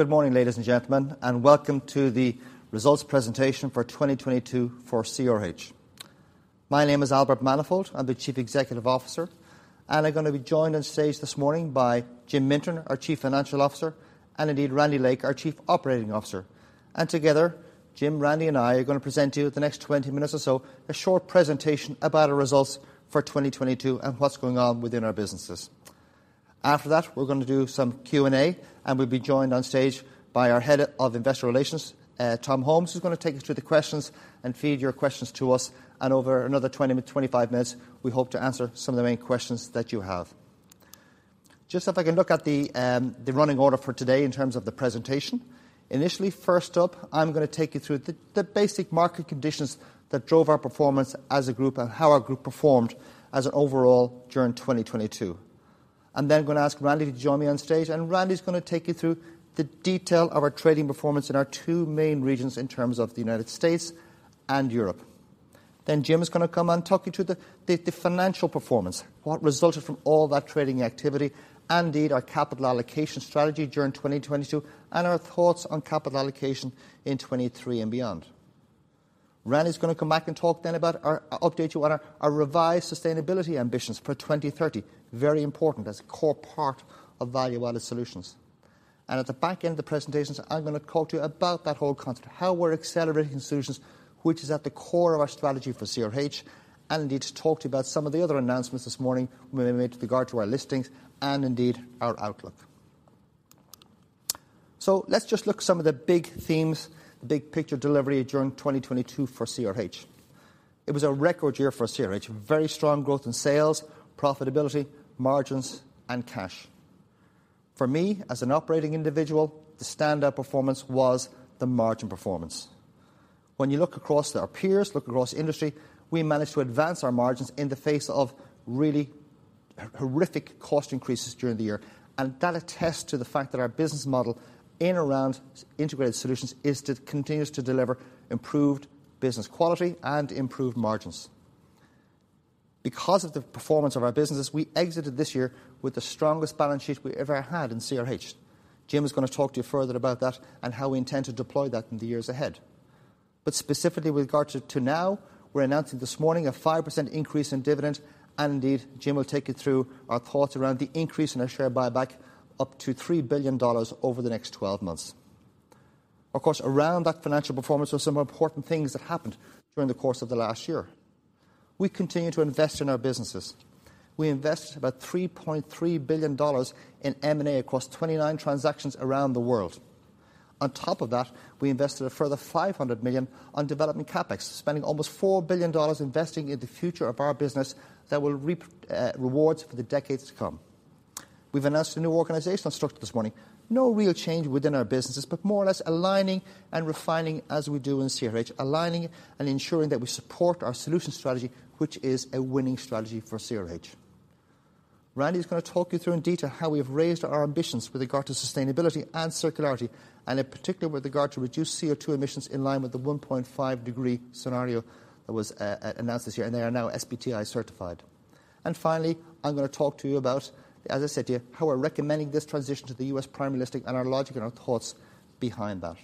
Good morning, ladies and gentlemen. Welcome to the results presentation for 2022 for CRH. My name is Albert Manifold. I'm the Chief Executive Officer. I'm gonna be joined on stage this morning by Jim Mintern, our Chief Financial Officer, and indeed Randy Lake, our Chief Operating Officer. Together, Jim, Randy, and I are gonna present to you the next 20 minutes or so a short presentation about our results for 2022 and what's going on within our businesses. After that, we're gonna do some Q&A, and we'll be joined on stage by our Head of Investor Relations, Tom Holmes, who's gonna take us through the questions and feed your questions to us. Over another 25 minutes, we hope to answer some of the main questions that you have. Just if I can look at the running order for today in terms of the presentation. Initially, first up, I'm gonna take you through the basic market conditions that drove our performance as a group and how our group performed as an overall during 2022. I am then gonna ask Randy to join me on stage, Randy's gonna take you through the detail of our trading performance in our two main regions in terms of the United States and Europe. Jim is gonna come and talk you through the financial performance, what resulted from all that trading activity, and indeed our capital allocation strategy during 2022 and our thoughts on capital allocation in 2023 and beyond. Randy's gonna come back and talk then about update you on our revised sustainability ambitions for 2030. Very important as a core part of value-added solutions. At the back end of the presentations, I'm gonna talk to you about that whole concept, how we're accelerating solutions, which is at the core of our strategy for CRH, and indeed to talk to you about some of the other announcements this morning we made with regard to our listings and indeed our outlook. Let's just look at some of the big themes, the big picture delivery during 2022 for CRH. It was a record year for CRH, very strong growth in sales, profitability, margins, and cash. For me, as an operating individual, the standout performance was the margin performance. When you look across our peers, look across industry, we managed to advance our margins in the face of really horrific cost increases during the year, and that attests to the fact that our business model in around integrated solutions continues to deliver improved business quality and improved margins. Because of the performance of our businesses, we exited this year with the strongest balance sheet we ever had in CRH. Jim is gonna talk to you further about that and how we intend to deploy that in the years ahead. Specifically with regard to now, we're announcing this morning a 5% increase in dividend, and indeed, Jim will take you through our thoughts around the increase in our share buyback up to $3 billion over the next 12 months. Of course, around that financial performance were some important things that happened during the course of the last year. We continue to invest in our businesses. We invested about $3.3 billion in M&A across 29 transactions around the world. On top of that, we invested a further $500 million on development CapEx, spending almost $4 billion investing in the future of our business that will reap rewards for the decades to come. We've announced a new organizational structure this morning. No real change within our businesses, but more or less aligning and refining as we do in CRH, aligning and ensuring that we support our solution strategy, which is a winning strategy for CRH. Randy's gonna talk you through in detail how we have raised our ambitions with regard to sustainability and circularity, and in particular with regard to reduced CO2 emissions in line with the 1.5 degree scenario that was announced this year, and they are now SBTi certified. Finally, I'm gonna talk to you about, as I said to you, how we're recommending this transition to the U.S. primary listing and our logic and our thoughts behind that.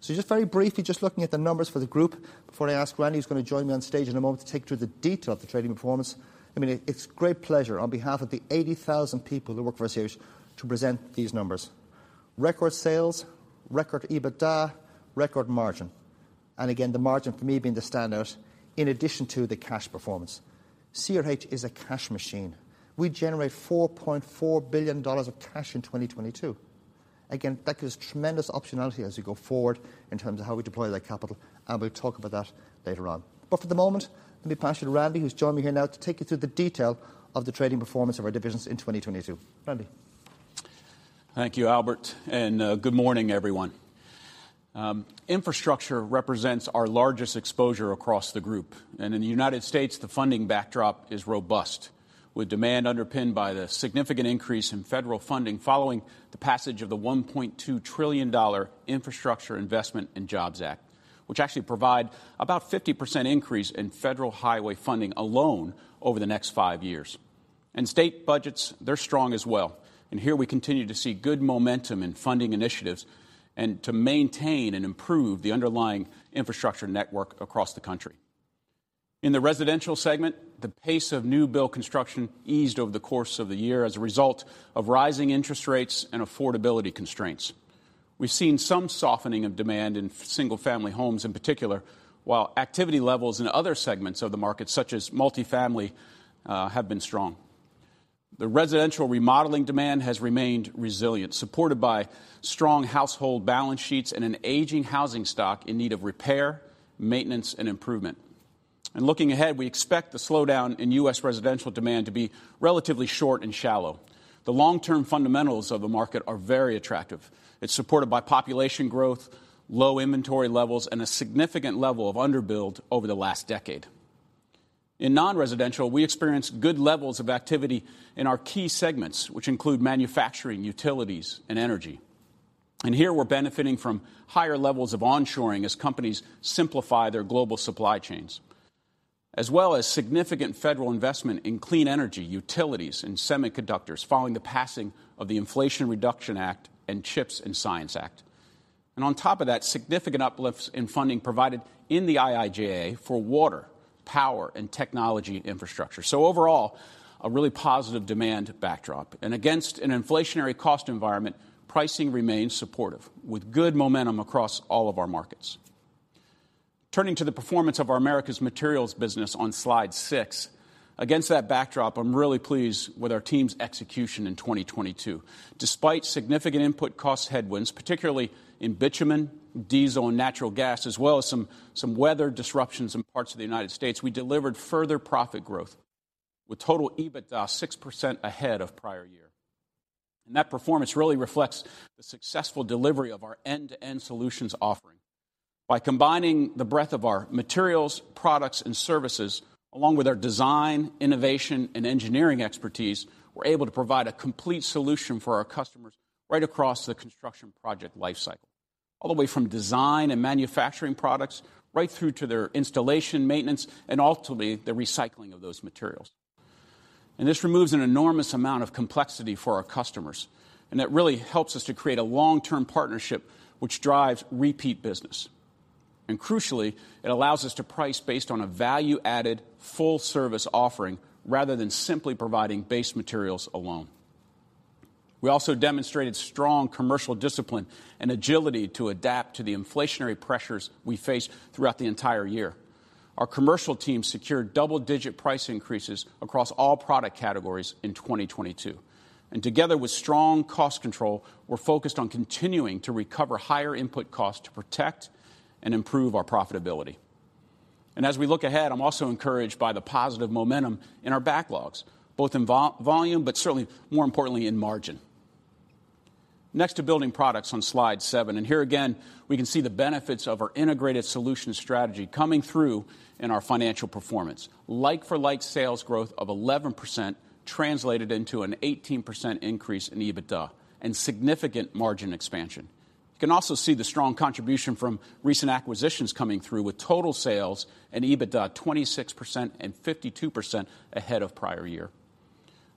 Just very briefly, just looking at the numbers for the group before I ask Randy, who's gonna join me on stage in a moment to take you through the detail of the trading performance. I mean, it's great pleasure on behalf of the 80,000 people who work for CRH to present these numbers. Record sales, record EBITDA, record margin. Again, the margin for me being the standout in addition to the cash performance. CRH is a cash machine. We generate $4.4 billion of cash in 2022. That gives tremendous optionality as we go forward in terms of how we deploy that capital, and we'll talk about that later on. For the moment, let me pass you to Randy, who's joined me here now to take you through the detail of the trading performance of our divisions in 2022. Randy. Thank you, Albert, good morning, everyone. Infrastructure represents our largest exposure across the group. In the United States, the funding backdrop is robust, with demand underpinned by the significant increase in federal funding following the passage of the $1.2 trillion Infrastructure Investment and Jobs Act, which actually provide about 50% increase in federal highway funding alone over the next five years. State budgets, they're strong as well. Here we continue to see good momentum in funding initiatives and to maintain and improve the underlying infrastructure network across the country. In the residential segment, the pace of new build construction eased over the course of the year as a result of rising interest rates and affordability constraints. We've seen some softening of demand in single-family homes in particular, while activity levels in other segments of the market, such as multifamily, have been strong. The residential remodeling demand has remained resilient, supported by strong household balance sheets and an aging housing stock in need of repair, maintenance, and improvement. Looking ahead, we expect the slowdown in U.S. residential demand to be relatively short and shallow. The long-term fundamentals of the market are very attractive. It's supported by population growth, low inventory levels, and a significant level of underbuild over the last decade. In non-residential, we experienced good levels of activity in our key segments, which include manufacturing, utilities, and energy. Here we're benefiting from higher levels of onshoring as companies simplify their global supply chains. As well as significant federal investment in clean energy, utilities, and semiconductors following the passing of the Inflation Reduction Act and CHIPS and Science Act. On top of that, significant uplifts in funding provided in the IIJA for water, power, and technology infrastructure. Overall, a really positive demand backdrop. Against an inflationary cost environment, pricing remains supportive, with good momentum across all of our markets. Turning to the performance of our Americas Materials business on slide six, against that backdrop, I'm really pleased with our team's execution in 2022. Despite significant input cost headwinds, particularly in bitumen, diesel, and natural gas, as well as some weather disruptions in parts of the United States, we delivered further profit growth, with total EBITDA 6% ahead of prior year. That performance really reflects the successful delivery of our end-to-end solutions offering. By combining the breadth of our materials, products, and services, along with our design, innovation, and engineering expertise, we're able to provide a complete solution for our customers right across the construction project life cycle, all the way from design and manufacturing products right through to their installation, maintenance, and ultimately, the recycling of those materials. This removes an enormous amount of complexity for our customers, it really helps us to create a long-term partnership which drives repeat business. Crucially, it allows us to price based on a value-added, full-service offering rather than simply providing base materials alone. We also demonstrated strong commercial discipline and agility to adapt to the inflationary pressures we faced throughout the entire year. Our commercial team secured double-digit price increases across all product categories in 2022. Together with strong cost control, we're focused on continuing to recover higher input costs to protect and improve our profitability. As we look ahead, I'm also encouraged by the positive momentum in our backlogs, both in volume, but certainly more importantly in margin. Next to Building Products on slide seven, here again, we can see the benefits of our integrated solution strategy coming through in our financial performance. Like-for-like sales growth of 11% translated into an 18% increase in EBITDA and significant margin expansion. You can also see the strong contribution from recent acquisitions coming through with total sales and EBITDA 26% and 52% ahead of prior year.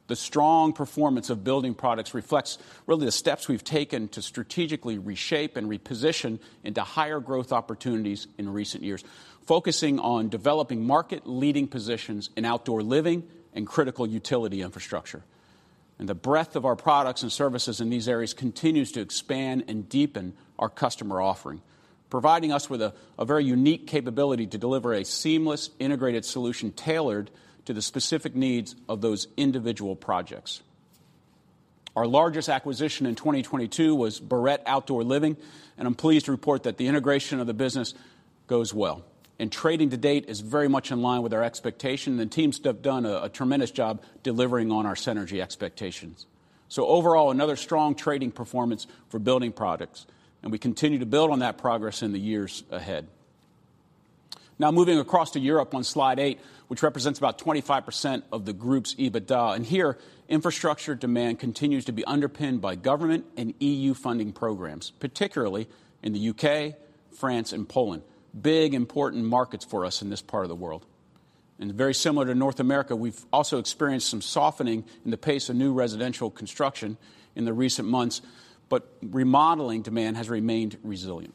The strong performance of Building Products reflects really the steps we've taken to strategically reshape and reposition into higher growth opportunities in recent years, focusing on developing market-leading positions in Outdoor Living and critical utility infrastructure. The breadth of our products and services in these areas continues to expand and deepen our customer offering, providing us with a very unique capability to deliver a seamless integrated solution tailored to the specific needs of those individual projects. Our largest acquisition in 2022 was Barrette Outdoor Living, and I'm pleased to report that the integration of the business goes well. Trading to date is very much in line with our expectation, and teams have done a tremendous job delivering on our synergy expectations. Overall, another strong trading performance for Building Products, and we continue to build on that progress in the years ahead. Now moving across to Europe on slide eight, which represents about 25% of the group's EBITDA. Infrastructure demand continues to be underpinned by government and E.U. funding programs, particularly in the U.K., France, and Poland. Big, important markets for us in this part of the world. Very similar to North America, we've also experienced some softening in the pace of new residential construction in the recent months. Remodeling demand has remained resilient.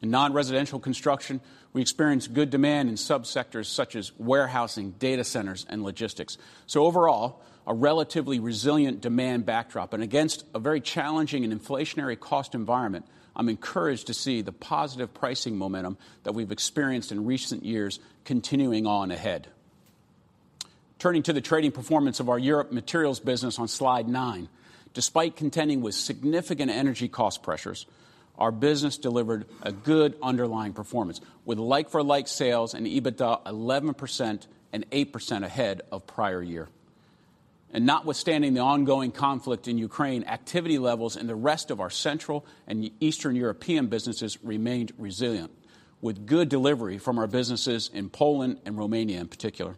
In non-residential construction, we experienced good demand in subsectors such as warehousing, data centers, and logistics. Overall, a relatively resilient demand backdrop. Against a very challenging and inflationary cost environment, I'm encouraged to see the positive pricing momentum that we've experienced in recent years continuing on ahead. Turning to the trading performance of our Europe Materials business on slide nine. Despite contending with significant energy cost pressures, our business delivered a good underlying performance, with like-for-like sales and EBITDA 11% and 8% ahead of prior year. Notwithstanding the ongoing conflict in Ukraine, activity levels in the rest of our Central and Eastern European businesses remained resilient, with good delivery from our businesses in Poland and Romania in particular.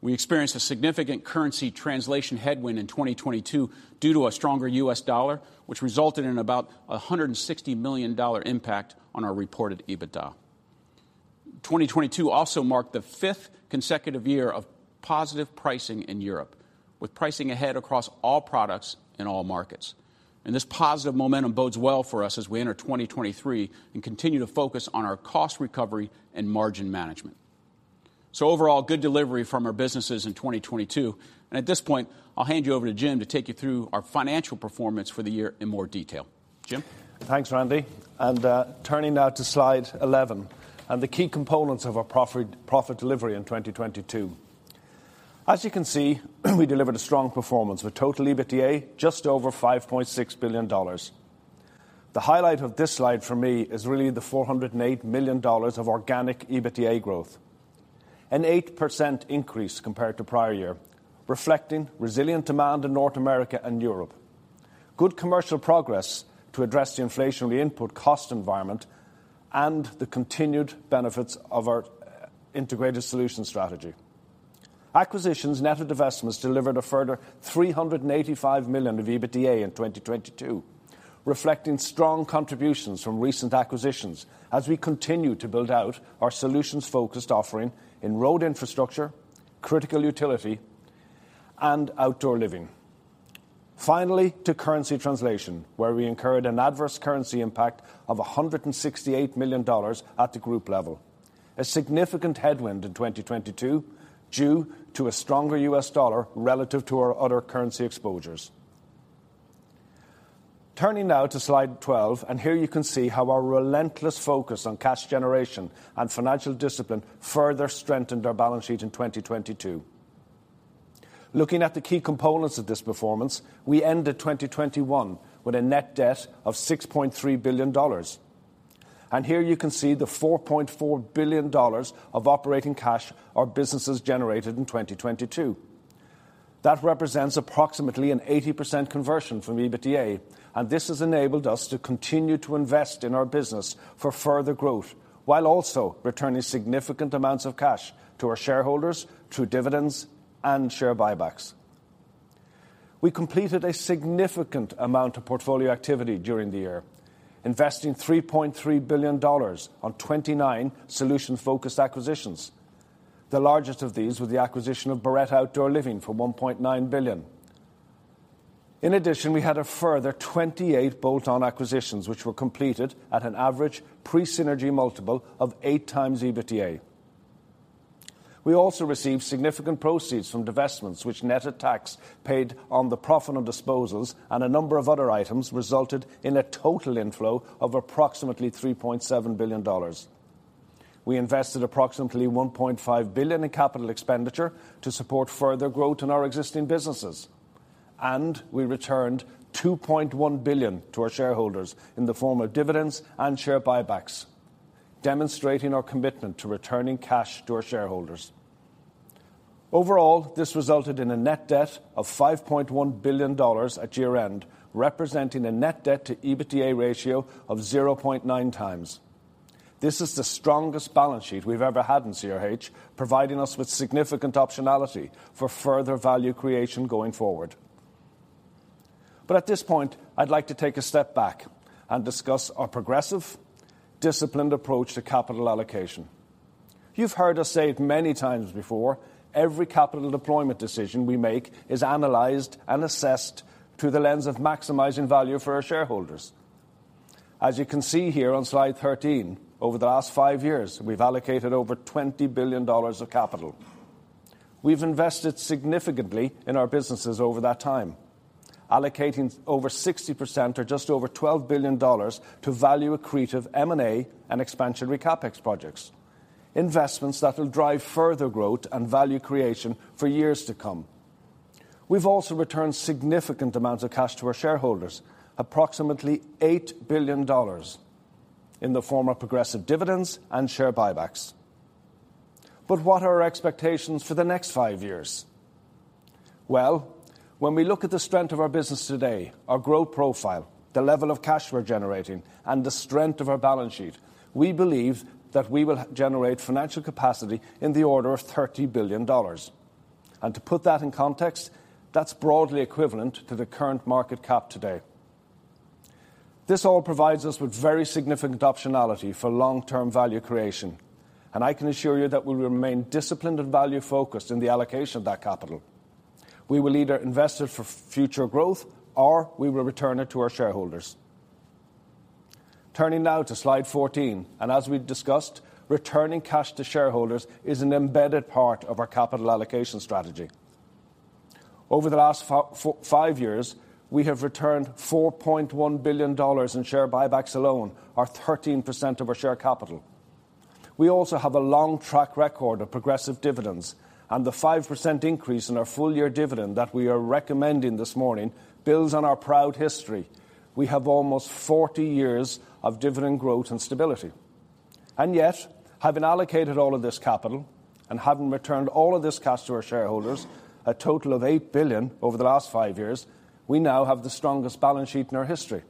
We experienced a significant currency translation headwind in 2022 due to a stronger US dollar, which resulted in about a $160 million impact on our reported EBITDA. 2022 also marked the fifth consecutive year of positive pricing in Europe, with pricing ahead across all products in all markets. This positive momentum bodes well for us as we enter 2023 and continue to focus on our cost recovery and margin management. Overall, good delivery from our businesses in 2022. At this point, I'll hand you over to Jim to take you through our financial performance for the year in more detail. Jim? Thanks, Randy. Turning now to slide 11 and the key components of our profit delivery in 2022. As you can see, we delivered a strong performance with total EBITDA just over $5.6 billion. The highlight of this slide for me is really the $408 million of organic EBITDA growth, an 8% increase compared to prior year, reflecting resilient demand in North America and Europe, good commercial progress to address the inflationary input cost environment, and the continued benefits of our integrated solution strategy. Acquisitions net of divestments delivered a further $385 million of EBITDA in 2022, reflecting strong contributions from recent acquisitions as we continue to build out our solutions-focused offering in road infrastructure, critical utility, and Outdoor Living. Finally, to currency translation, where we incurred an adverse currency impact of $168 million at the group level, a significant headwind in 2022 due to a stronger US dollar relative to our other currency exposures. Turning now to slide 12, here you can see how our relentless focus on cash generation and financial discipline further strengthened our balance sheet in 2022. Looking at the key components of this performance, we ended 2021 with a net debt of $6.3 billion. Here you can see the $4.4 billion of operating cash our businesses generated in 2022. That represents approximately an 80% conversion from EBITDA, this has enabled us to continue to invest in our business for further growth while also returning significant amounts of cash to our shareholders through dividends and share buybacks. We completed a significant amount of portfolio activity during the year, investing $3.3 billion on 29 solution-focused acquisitions. The largest of these was the acquisition of Barrette Outdoor Living for $1.9 billion. In addition, we had a further 28 bolt-on acquisitions which were completed at an average pre-synergy multiple of 8x EBITDA. We also received significant proceeds from divestments which net attacks paid on the profit on disposals and a number of other items resulted in a total inflow of approximately $3.7 billion. We invested approximately $1.5 billion in capital expenditure to support further growth in our existing businesses. We returned $2.1 billion to our shareholders in the form of dividends and share buybacks, demonstrating our commitment to returning cash to our shareholders. Overall, this resulted in a net debt of $5.1 billion at year-end, representing a net debt to EBITDA ratio of 0.9 times. This is the strongest balance sheet we've ever had in CRH, providing us with significant optionality for further value creation going forward. At this point, I'd like to take a step back and discuss our progressive, disciplined approach to capital allocation. You've heard us say it many times before, every capital deployment decision we make is analyzed and assessed through the lens of maximizing value for our shareholders. As you can see here on slide 13, over the last five years, we've allocated over $20 billion of capital. We've invested significantly in our businesses over that time, allocating over 60% or just over $12 billion to value accretive M&A and expansionary CapEx projects, investments that will drive further growth and value creation for years to come. We've also returned significant amounts of cash to our shareholders, approximately $8 billion in the form of progressive dividends and share buybacks. What are our expectations for the next five years? Well, when we look at the strength of our business today, our growth profile, the level of cash we're generating, and the strength of our balance sheet, we believe that we will generate financial capacity in the order of $30 billion. To put that in context, that's broadly equivalent to the current market cap today. This all provides us with very significant optionality for long-term value creation, and I can assure you that we'll remain disciplined and value-focused in the allocation of that capital. We will either invest it for future growth, or we will return it to our shareholders. Turning now to slide 14. As we've discussed, returning cash to shareholders is an embedded part of our capital allocation strategy. Over the last five years, we have returned $4.1 billion in share buybacks alone, or 13% of our share capital. We also have a long track record of progressive dividends, and the 5% increase in our full-year dividend that we are recommending this morning builds on our proud history. We have almost 40 years of dividend growth and stability. Yet, having allocated all of this capital and having returned all of this cash to our shareholders, a total of $8 billion over the last five years, we now have the strongest balance sheet in our history.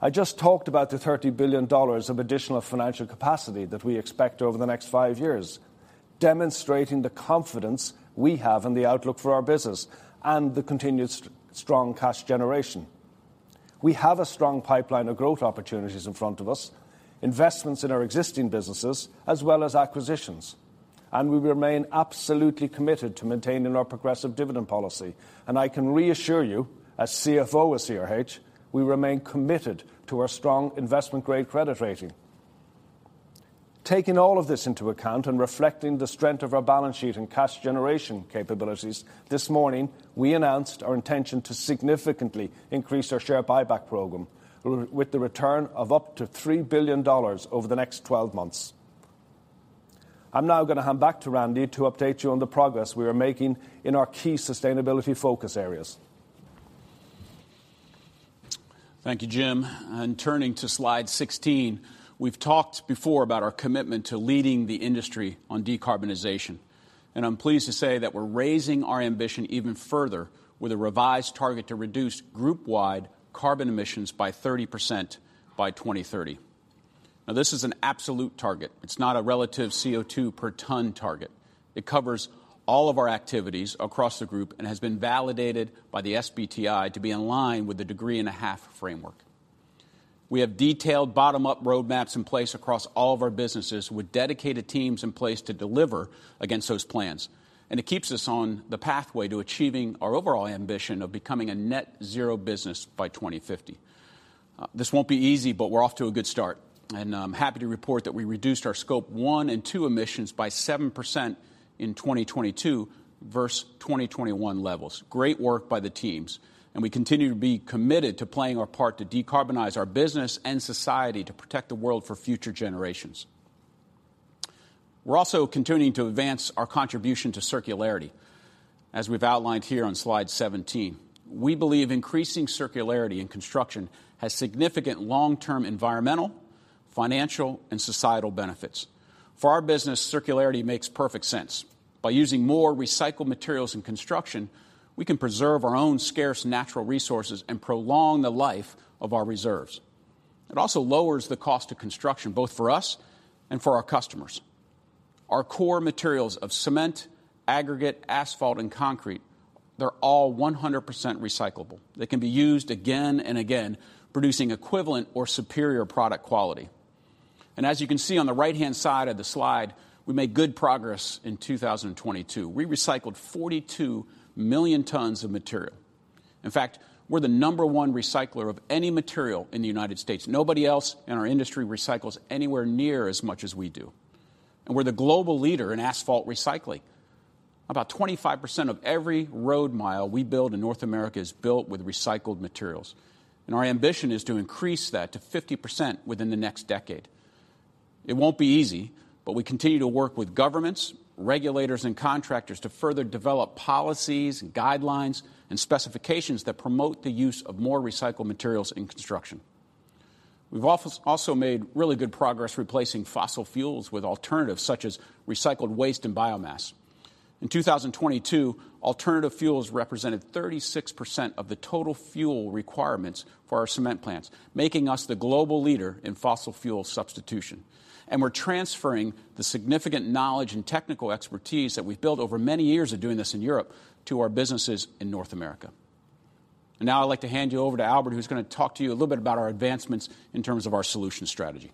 I just talked about the $30 billion of additional financial capacity that we expect over the next five years, demonstrating the confidence we have in the outlook for our business and the continued strong cash generation. We have a strong pipeline of growth opportunities in front of us, investments in our existing businesses, as well as acquisitions, and we remain absolutely committed to maintaining our progressive dividend policy. I can reassure you, as CFO of CRH, we remain committed to our strong investment-grade credit rating. Taking all of this into account and reflecting the strength of our balance sheet and cash generation capabilities, this morning we announced our intention to significantly increase our share buyback program with the return of up to $3 billion over the next 12 months. I'm now gonna hand back to Randy to update you on the progress we are making in our key sustainability focus areas. Thank you, Jim. Turning to slide 16, we've talked before about our commitment to leading the industry on decarbonization. I'm pleased to say that we're raising our ambition even further with a revised target to reduce group-wide carbon emissions by 30% by 2030. Now, this is an absolute target. It's not a relative CO2 per ton target. It covers all of our activities across the group and has been validated by the SBTi to be in line with the 1.5 degree framework. We have detailed bottom-up roadmaps in place across all of our businesses with dedicated teams in place to deliver against those plans. It keeps us on the pathway to achieving our overall ambition of becoming a net zero business by 2050. This won't be easy, but we're off to a good start, and I'm happy to report that we reduced our Scope 1 and two emissions by 7% in 2022 versus 2021 levels. Great work by the teams. We continue to be committed to playing our part to decarbonize our business and society to protect the world for future generations. We're also continuing to advance our contribution to circularity, as we've outlined here on slide 17. We believe increasing circularity in construction has significant long-term environmental, financial, and societal benefits. For our business, circularity makes perfect sense. By using more recycled materials in construction, we can preserve our own scarce natural resources and prolong the life of our reserves. It also lowers the cost of construction, both for us and for our customers. Our core materials of cement, aggregate, asphalt, and concrete, they're all 100% recyclable. They can be used again and again, producing equivalent or superior product quality. As you can see on the right-hand side of the slide, we made good progress in 2022. We recycled 42 million tons of material. In fact, we're the number one recycler of any material in the U.S. Nobody else in our industry recycles anywhere near as much as we do. We're the global leader in asphalt recycling. About 25% of every road mile we build in North America is built with recycled materials, and our ambition is to increase that to 50% within the next decade. It won't be easy, but we continue to work with governments, regulators, and contractors to further develop policies, guidelines, and specifications that promote the use of more recycled materials in construction. We've also made really good progress replacing fossil fuels with alternatives such as recycled waste and biomass. In 2022, alternative fuels represented 36% of the total fuel requirements for our cement plants, making us the global leader in fossil fuel substitution. We're transferring the significant knowledge and technical expertise that we've built over many years of doing this in Europe to our businesses in North America. Now I'd like to hand you over to Albert, who's going to talk to you a little bit about our advancements in terms of our solutions strategy.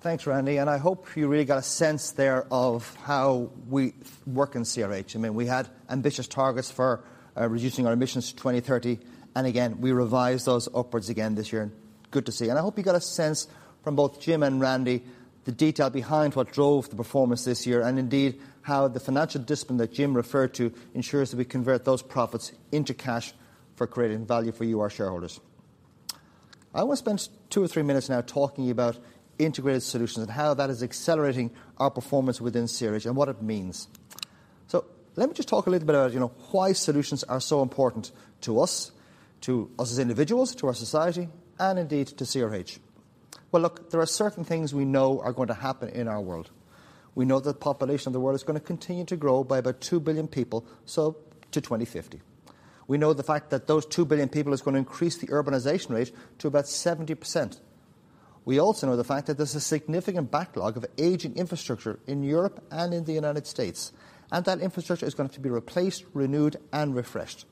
Thanks, Randy. I hope you really got a sense there of how we work in CRH. I mean, we had ambitious targets for reducing our emissions to 2030. Again, we revised those upwards again this year. Good to see. I hope you got a sense from both Jim and Randy the detail behind what drove the performance this year. Indeed, how the financial discipline that Jim referred to ensures that we convert those profits into cash for creating value for you, our shareholders. I want to spend two or three minutes now talking about integrated solutions and how that is accelerating our performance within CRH and what it means. Let me just talk a little bit about, you know, why solutions are so important to us, to us as individuals, to our society, and indeed to CRH. Well, look, there are certain things we know are going to happen in our world. We know the population of the world is going to continue to grow by about 2 billion people, so, to 2050. We know the fact that those 2 billion people is going to increase the urbanization rate to about 70%. We also know the fact that there's a significant backlog of aging infrastructure in Europe and in the United States, and that infrastructure is going to be replaced, renewed, and refreshed.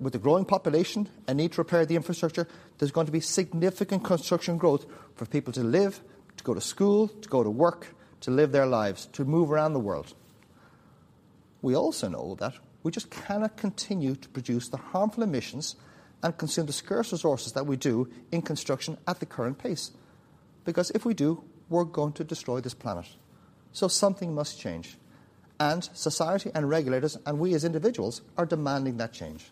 With the growing population and need to repair the infrastructure, there's going to be significant construction growth for people to live, to go to school, to go to work, to live their lives, to move around the world. We also know that we just cannot continue to produce the harmful emissions and consume the scarce resources that we do in construction at the current pace, because if we do, we're going to destroy this planet. Something must change, and society and regulators and we as individuals are demanding that change.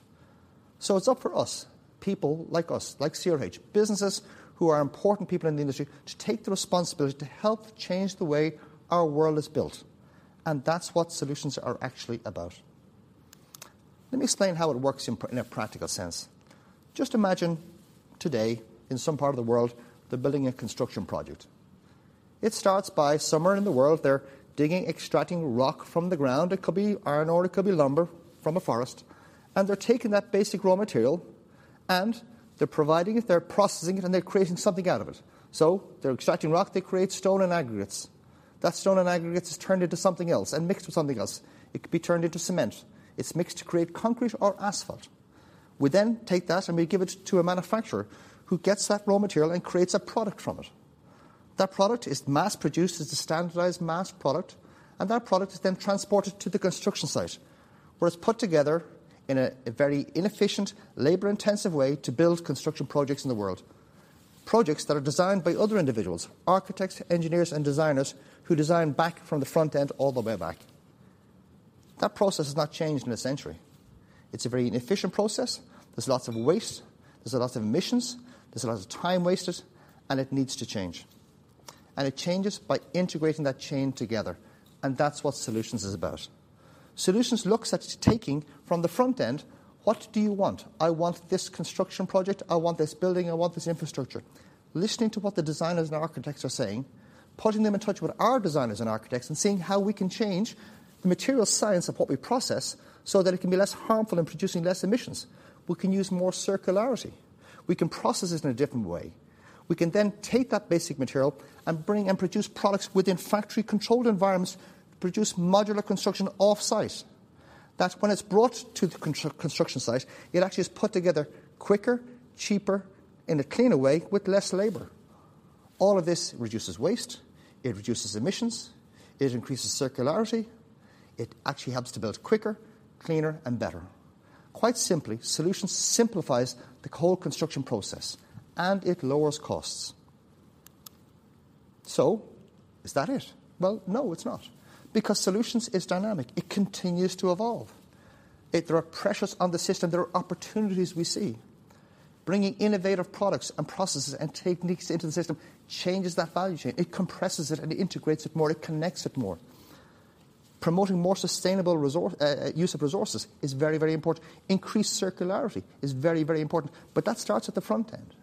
It's up for us, people like us, like CRH, businesses who are important people in the industry, to take the responsibility to help change the way our world is built. That's what solutions are actually about. Let me explain how it works in a practical sense. Just imagine today in some part of the world, they're building a construction project. It starts by somewhere in the world, they're digging, extracting rock from the ground. It could be iron ore, it could be lumber from a forest. They're taking that basic raw material, and they're providing it, they're processing it, and they're creating something out of it. They're extracting rock. They create stone and aggregates. That stone and aggregates is turned into something else and mixed with something else. It could be turned into cement. It's mixed to create concrete or asphalt. We then take that, and we give it to a manufacturer who gets that raw material and creates a product from it. That product is mass-produced as a standardized mass product, and that product is then transported to the construction site, where it's put together in a very inefficient, labor-intensive way to build construction projects in the world, projects that are designed by other individuals, architects, engineers, and designers, who design back from the front end all the way back. That process has not changed in a century. It's a very inefficient process. There's lots of waste, there's a lot of emissions, there's a lot of time wasted. It needs to change. It changes by integrating that chain together. That's what Solutions is about. Solutions looks at taking from the front end, what do you want? I want this construction project. I want this building. I want this infrastructure. Listening to what the designers and architects are saying. Putting them in touch with our designers and architects and seeing how we can change the material science of what we process so that it can be less harmful and producing less emissions. We can use more circularity. We can process this in a different way. We can take that basic material and bring and produce products within factory-controlled environments, produce modular construction off-site. That when it's brought to the construction site, it actually is put together quicker, cheaper, in a cleaner way with less labor. All of this reduces waste, it reduces emissions, it increases circularity. It actually helps to build quicker, cleaner, and better. Quite simply, solutions simplifies the whole construction process, and it lowers costs. Is that it? Well, no, it's not. Solutions is dynamic, it continues to evolve. There are pressures on the system. There are opportunities we see. Bringing innovative products and processes and techniques into the system changes that value chain. It compresses it, and it integrates it more, it connects it more. Promoting more sustainable use of resources is very, very important. Increased circularity is very, very important, but that starts at the front end.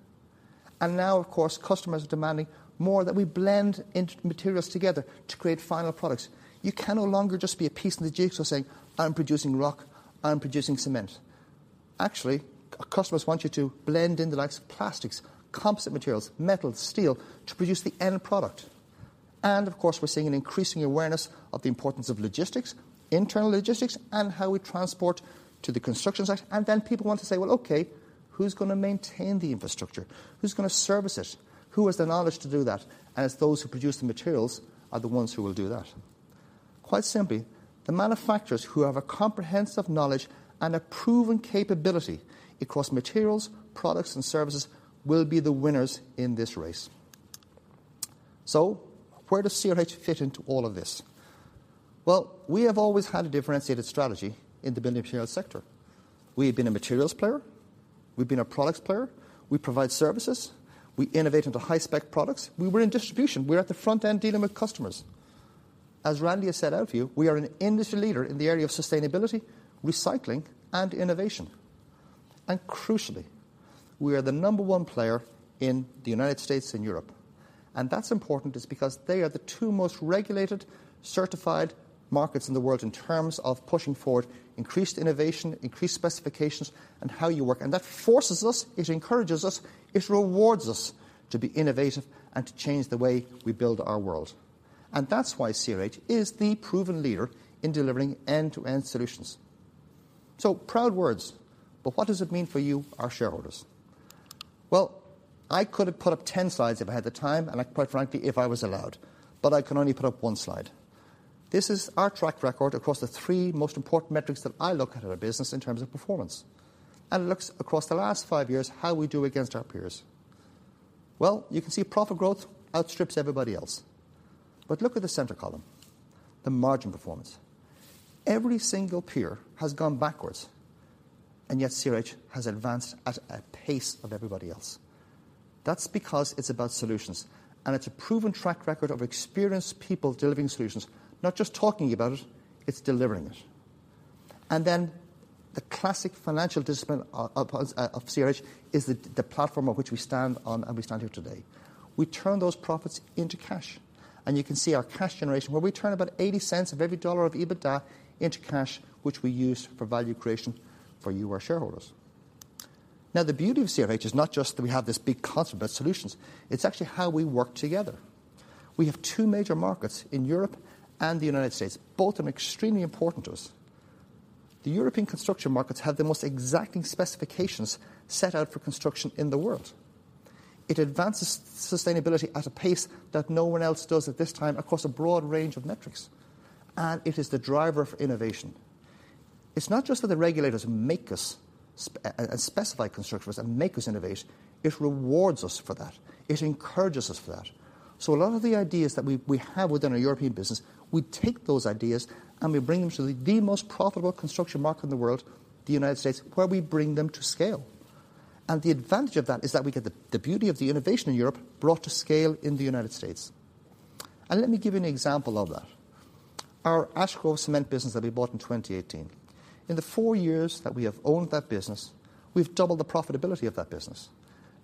Now, of course, customers are demanding more that we blend materials together to create final products. You can no longer just be a piece in the jigsaw saying, "I'm producing rock, I'm producing cement." Actually, our customers want you to blend in the likes of plastics, composite materials, metal, steel to produce the end product. Of course, we're seeing an increasing awareness of the importance of logistics, internal logistics, and how we transport to the construction site. Then people want to say, "Well, okay, who's gonna maintain the infrastructure? Who's gonna service it? Who has the knowledge to do that?" It's those who produce the materials are the ones who will do that. Quite simply, the manufacturers who have a comprehensive knowledge and a proven capability across materials, products, and services will be the winners in this race. Where does CRH fit into all of this? Well, we have always had a differentiated strategy in the building materials sector. We have been a materials player, we've been a products player. We provide services. We innovate into high-spec products. We were in distribution. We're at the front end dealing with customers. As Randy has set out for you, we are an industry leader in the area of sustainability, recycling, and innovation. Crucially, we are the number one player in the United States and Europe. That's important is because they are the two most regulated, certified markets in the world in terms of pushing forward increased innovation, increased specifications in how you work, and that forces us, it encourages us, it rewards us to be innovative and to change the way we build our world. That's why CRH is the proven leader in delivering end-to-end solutions. Proud words, but what does it mean for you, our shareholders? I could have put up 10 slides if I had the time and quite frankly, if I was allowed, but I can only put up one slide. This is our track record across the three most important metrics that I look at in our business in terms of performance. It looks across the last five years, how we do against our peers. You can see profit growth outstrips everybody else. Look at the center column, the margin performance. Every single peer has gone backwards, and yet CRH has advanced at a pace of everybody else. That's because it's about solutions, and it's a proven track record of experienced people delivering solutions. Not just talking about it's delivering it. The classic financial discipline of CRH is the platform of which we stand on, and we stand here today. We turn those profits into cash, and you can see our cash generation where we turn about $.80 of every dollar of EBITDA into cash, which we use for value creation for you, our shareholders. The beauty of CRH is not just that we have this big concept about solutions. It's actually how we work together. We have two major markets in Europe and the United States. Both are extremely important to us. The European construction markets have the most exacting specifications set out for construction in the world. It advances sustainability at a pace that no one else does at this time across a broad range of metrics, and it is the driver for innovation. It's not just that the regulators make us specify construction and make us innovate. It rewards us for that. It encourages us for that. A lot of the ideas that we have within our European business, we take those ideas, and we bring them to the most profitable construction market in the world, the United States, where we bring them to scale. The advantage of that is that we get the beauty of the innovation in Europe brought to scale in the United States. Let me give you an example of that. Our Ash Grove Cement business that we bought in 2018. In the four years that we have owned that business, we've doubled the profitability of that business.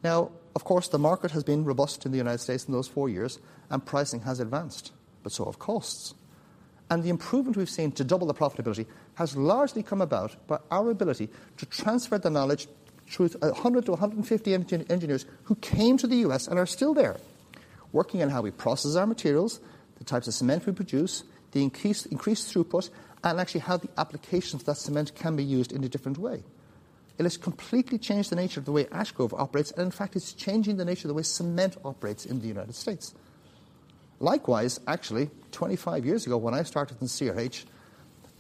Now, of course, the market has been robust in the United States in those four years, and pricing has advanced, but so have costs. The improvement we've seen to double the profitability has largely come about by our ability to transfer the knowledge through 100-150 engineers who came to the U.S. and are still there working on how we process our materials, the types of cement we produce, the increased throughput, and actually how the applications of that cement can be used in a different way. It has completely changed the nature of the way Ash Grove operates, and in fact, it's changing the nature of the way cement operates in the United States. Likewise, actually, 25 years ago when I started in CRH,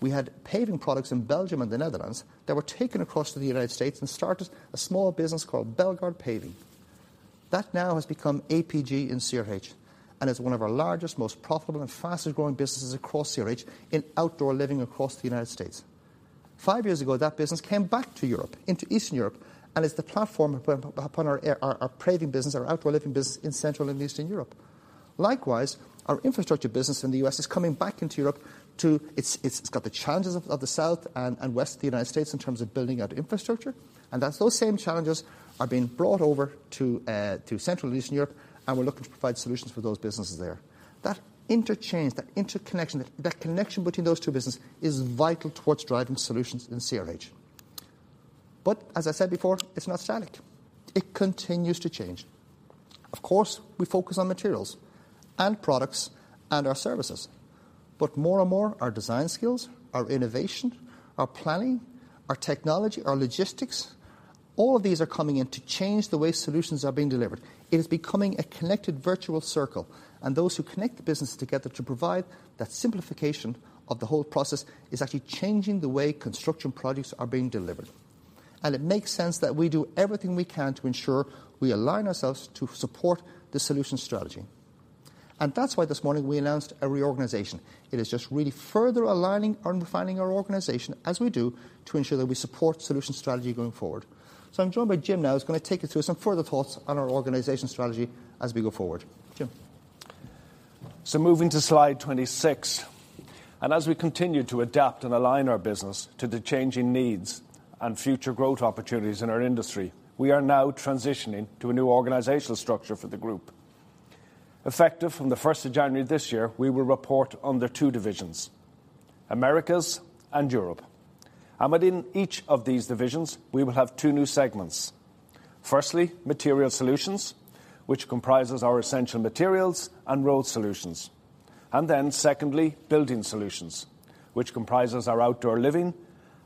we had paving products in Belgium and the Netherlands that were taken across to the U.S. and started a small business called Belgard Paving. That now has become APG in CRH and is one of our largest, most profitable, and fastest-growing businesses across CRH in Outdoor Living across the United States. Five years ago, that business came back to Europe, into Eastern Europe, and it's the platform upon our paving business, our Outdoor Living business in Central and Eastern Europe. Likewise, our infrastructure business in the U.S. is coming back into Europe to... It's got the challenges of the South and West of the United States in terms of building out infrastructure, those same challenges are being brought over to Central and Eastern Europe, and we're looking to provide solutions for those businesses there. That interchange, that interconnection, that connection between those two businesses is vital towards driving solutions in CRH. As I said before, it's not static. It continues to change. Of course, we focus on materials and products and our services, but more and more our design skills, our innovation, our planning, our technology, our logistics, all of these are coming in to change the way solutions are being delivered. It is becoming a connected virtual circle, and those who connect the business together to provide that simplification of the whole process is actually changing the way construction projects are being delivered. It makes sense that we do everything we can to ensure we align ourselves to support the solution strategy. That's why this morning we announced a reorganization. It is just really further aligning and refining our organization as we do to ensure that we support solution strategy going forward. I'm joined by Jim now, who's gonna take you through some further thoughts on our organization strategy as we go forward. Jim. Moving to slide 26. As we continue to adapt and align our business to the changing needs and future growth opportunities in our industry, we are now transitioning to a new organizational structure for the group. Effective from the 1st of January this year, we will report under two divisions, Americas and Europe. Within each of these divisions, we will have two new segments. Firstly, Materials Solutions, which comprises our Essential Materials and Road Solutions. Secondly, Building Solutions, which comprises our Outdoor Living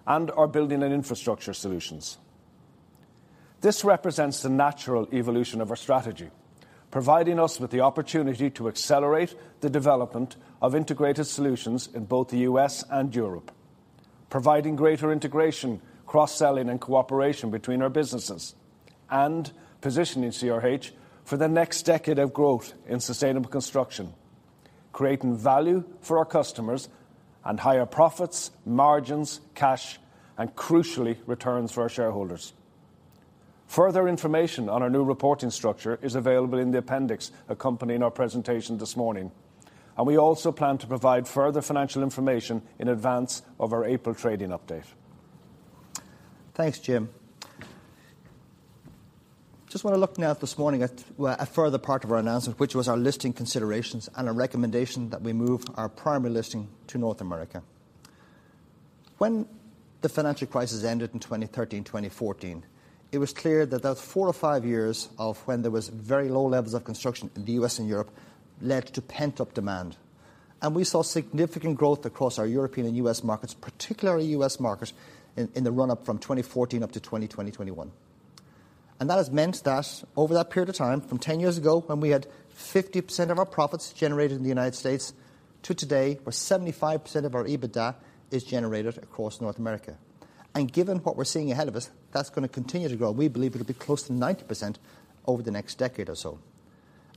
and our Building & Infrastructure Solutions. This represents the natural evolution of our strategy, providing us with the opportunity to accelerate the development of integrated solutions in both the U.S. and Europe. Providing greater integration, cross-selling, and cooperation between our businesses, and positioning CRH for the next decade of growth in sustainable construction. Creating value for our customers and higher profits, margins, cash, and crucially, returns for our shareholders. Further information on our new reporting structure is available in the appendix accompanying our presentation this morning, and we also plan to provide further financial information in advance of our April trading update. Thanks, Jim. Just wanna look now this morning at, well, a further part of our announcement, which was our listing considerations and a recommendation that we move our primary listing to North America. When the financial crisis ended in 2013, 2014, it was clear that four or five years of when there was very low levels of construction in the US and Europe led to pent-up demand. We saw significant growth across our European and U.S. markets, particularly U.S. markets in the run-up from 2014 up to 2020, 2021. That has meant that over that period of time, from 10 years ago when we had 50% of our profits generated in the United States, to today, where 75% of our EBITDA is generated across North America. Given what we're seeing ahead of us, that's gonna continue to grow. We believe it'll be close to 90% over the next decade or so.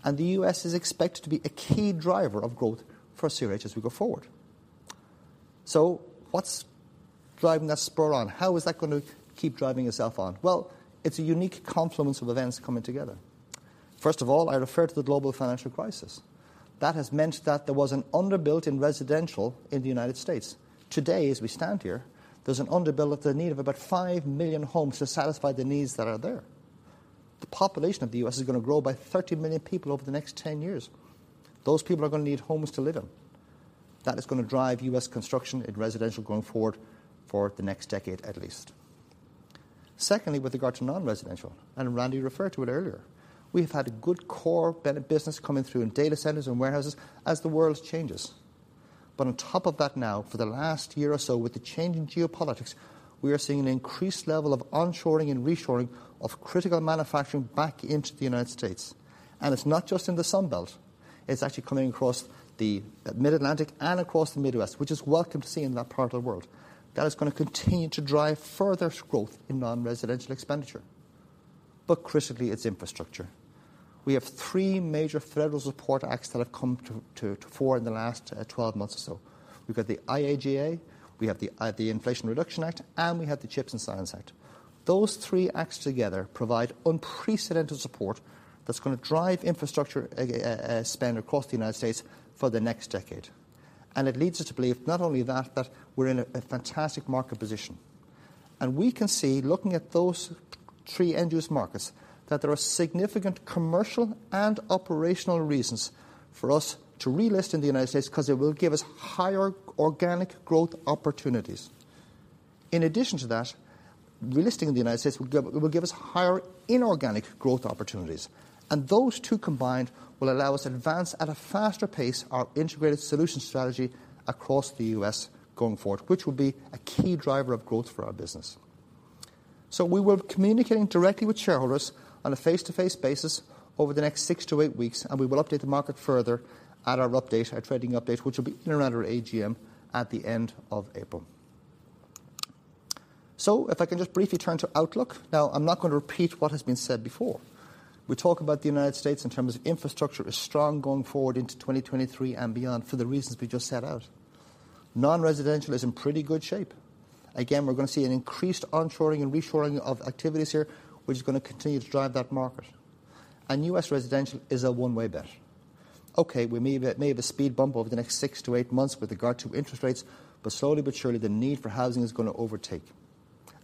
The U.S. is expected to be a key driver of growth for CRH as we go forward. What's driving that spurt on? How is that gonna keep driving itself on? Well, it's a unique complement of events coming together. First of all, I refer to the global financial crisis. That has meant that there was an underbuilt-in residential in the United States. Today, as we stand here, there's an underbuild, the need of about 5 million homes to satisfy the needs that are there. The population of the U.S. is gonna grow by 30 million people over the next 10 years. Those people are gonna need homes to live in. That is gonna drive U.S. construction and residential going forward for the next decade at least. Secondly, with regard to non-residential, Randy referred to it earlier, we've had a good core business coming through in data centers and warehouses as the world changes. On top of that now, for the last year or so with the changing geopolitics, we are seeing an increased level of onshoring and reshoring of critical manufacturing back into the United States. It's not just in the Sun Belt. It's actually coming across the Mid-Atlantic and across the Midwest, which is welcome to see in that part of the world. That is gonna continue to drive further growth in non-residential expenditure. Critically, it's infrastructure. We have three major federal support acts that have come to fore in the last 12 months or so. We've got the IIJA, we have the Inflation Reduction Act, and we have the CHIPS and Science Act. Those three acts together provide unprecedented support that's gonna drive infrastructure spend across the United States for the next decade. It leads us to believe not only that, but we're in a fantastic market position. We can see, looking at those three end-use markets, that there are significant commercial and operational reasons for us to relist in the United States because it will give us higher organic growth opportunities. In addition to that, relisting in the United States will give us higher inorganic growth opportunities. Those two combined will allow us to advance at a faster pace our integrated solution strategy across the U.S. going forward, which will be a key driver of growth for our business. We will be communicating directly with shareholders on a face-to-face basis over the next six to eight weeks. We will update the market further at our update, our trading update, which will be in around our AGM at the end of April. If I can just briefly turn to outlook. I'm not gonna repeat what has been said before. We talk about the United States in terms of infrastructure is strong going forward into 2023 and beyond for the reasons we just set out. Non-residential is in pretty good shape. We're gonna see an increased onshoring and reshoring of activities here, which is gonna continue to drive that market. U.S. residential is a one-way bet. Okay, we may have a speed bump over the next six to eight months with regard to interest rates. Slowly but surely, the need for housing is going to overtake.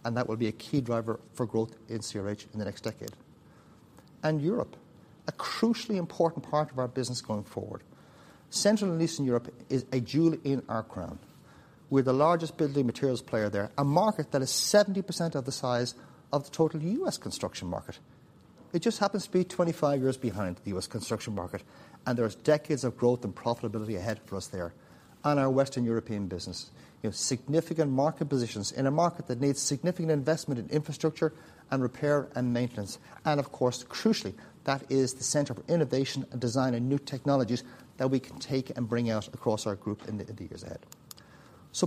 That will be a key driver for growth in CRH in the next decade. Europe, a crucially important part of our business going forward. Central and Eastern Europe is a jewel in our crown. We're the largest building materials player there, a market that is 70% of the size of the total US construction market. It just happens to be 25 years behind the US construction market. There's decades of growth and profitability ahead for us there. Our Western European business. We have significant market positions in a market that needs significant investment in infrastructure and repair and maintenance. Of course, crucially, that is the center for innovation and design and new technologies that we can take and bring out across our group in the years ahead.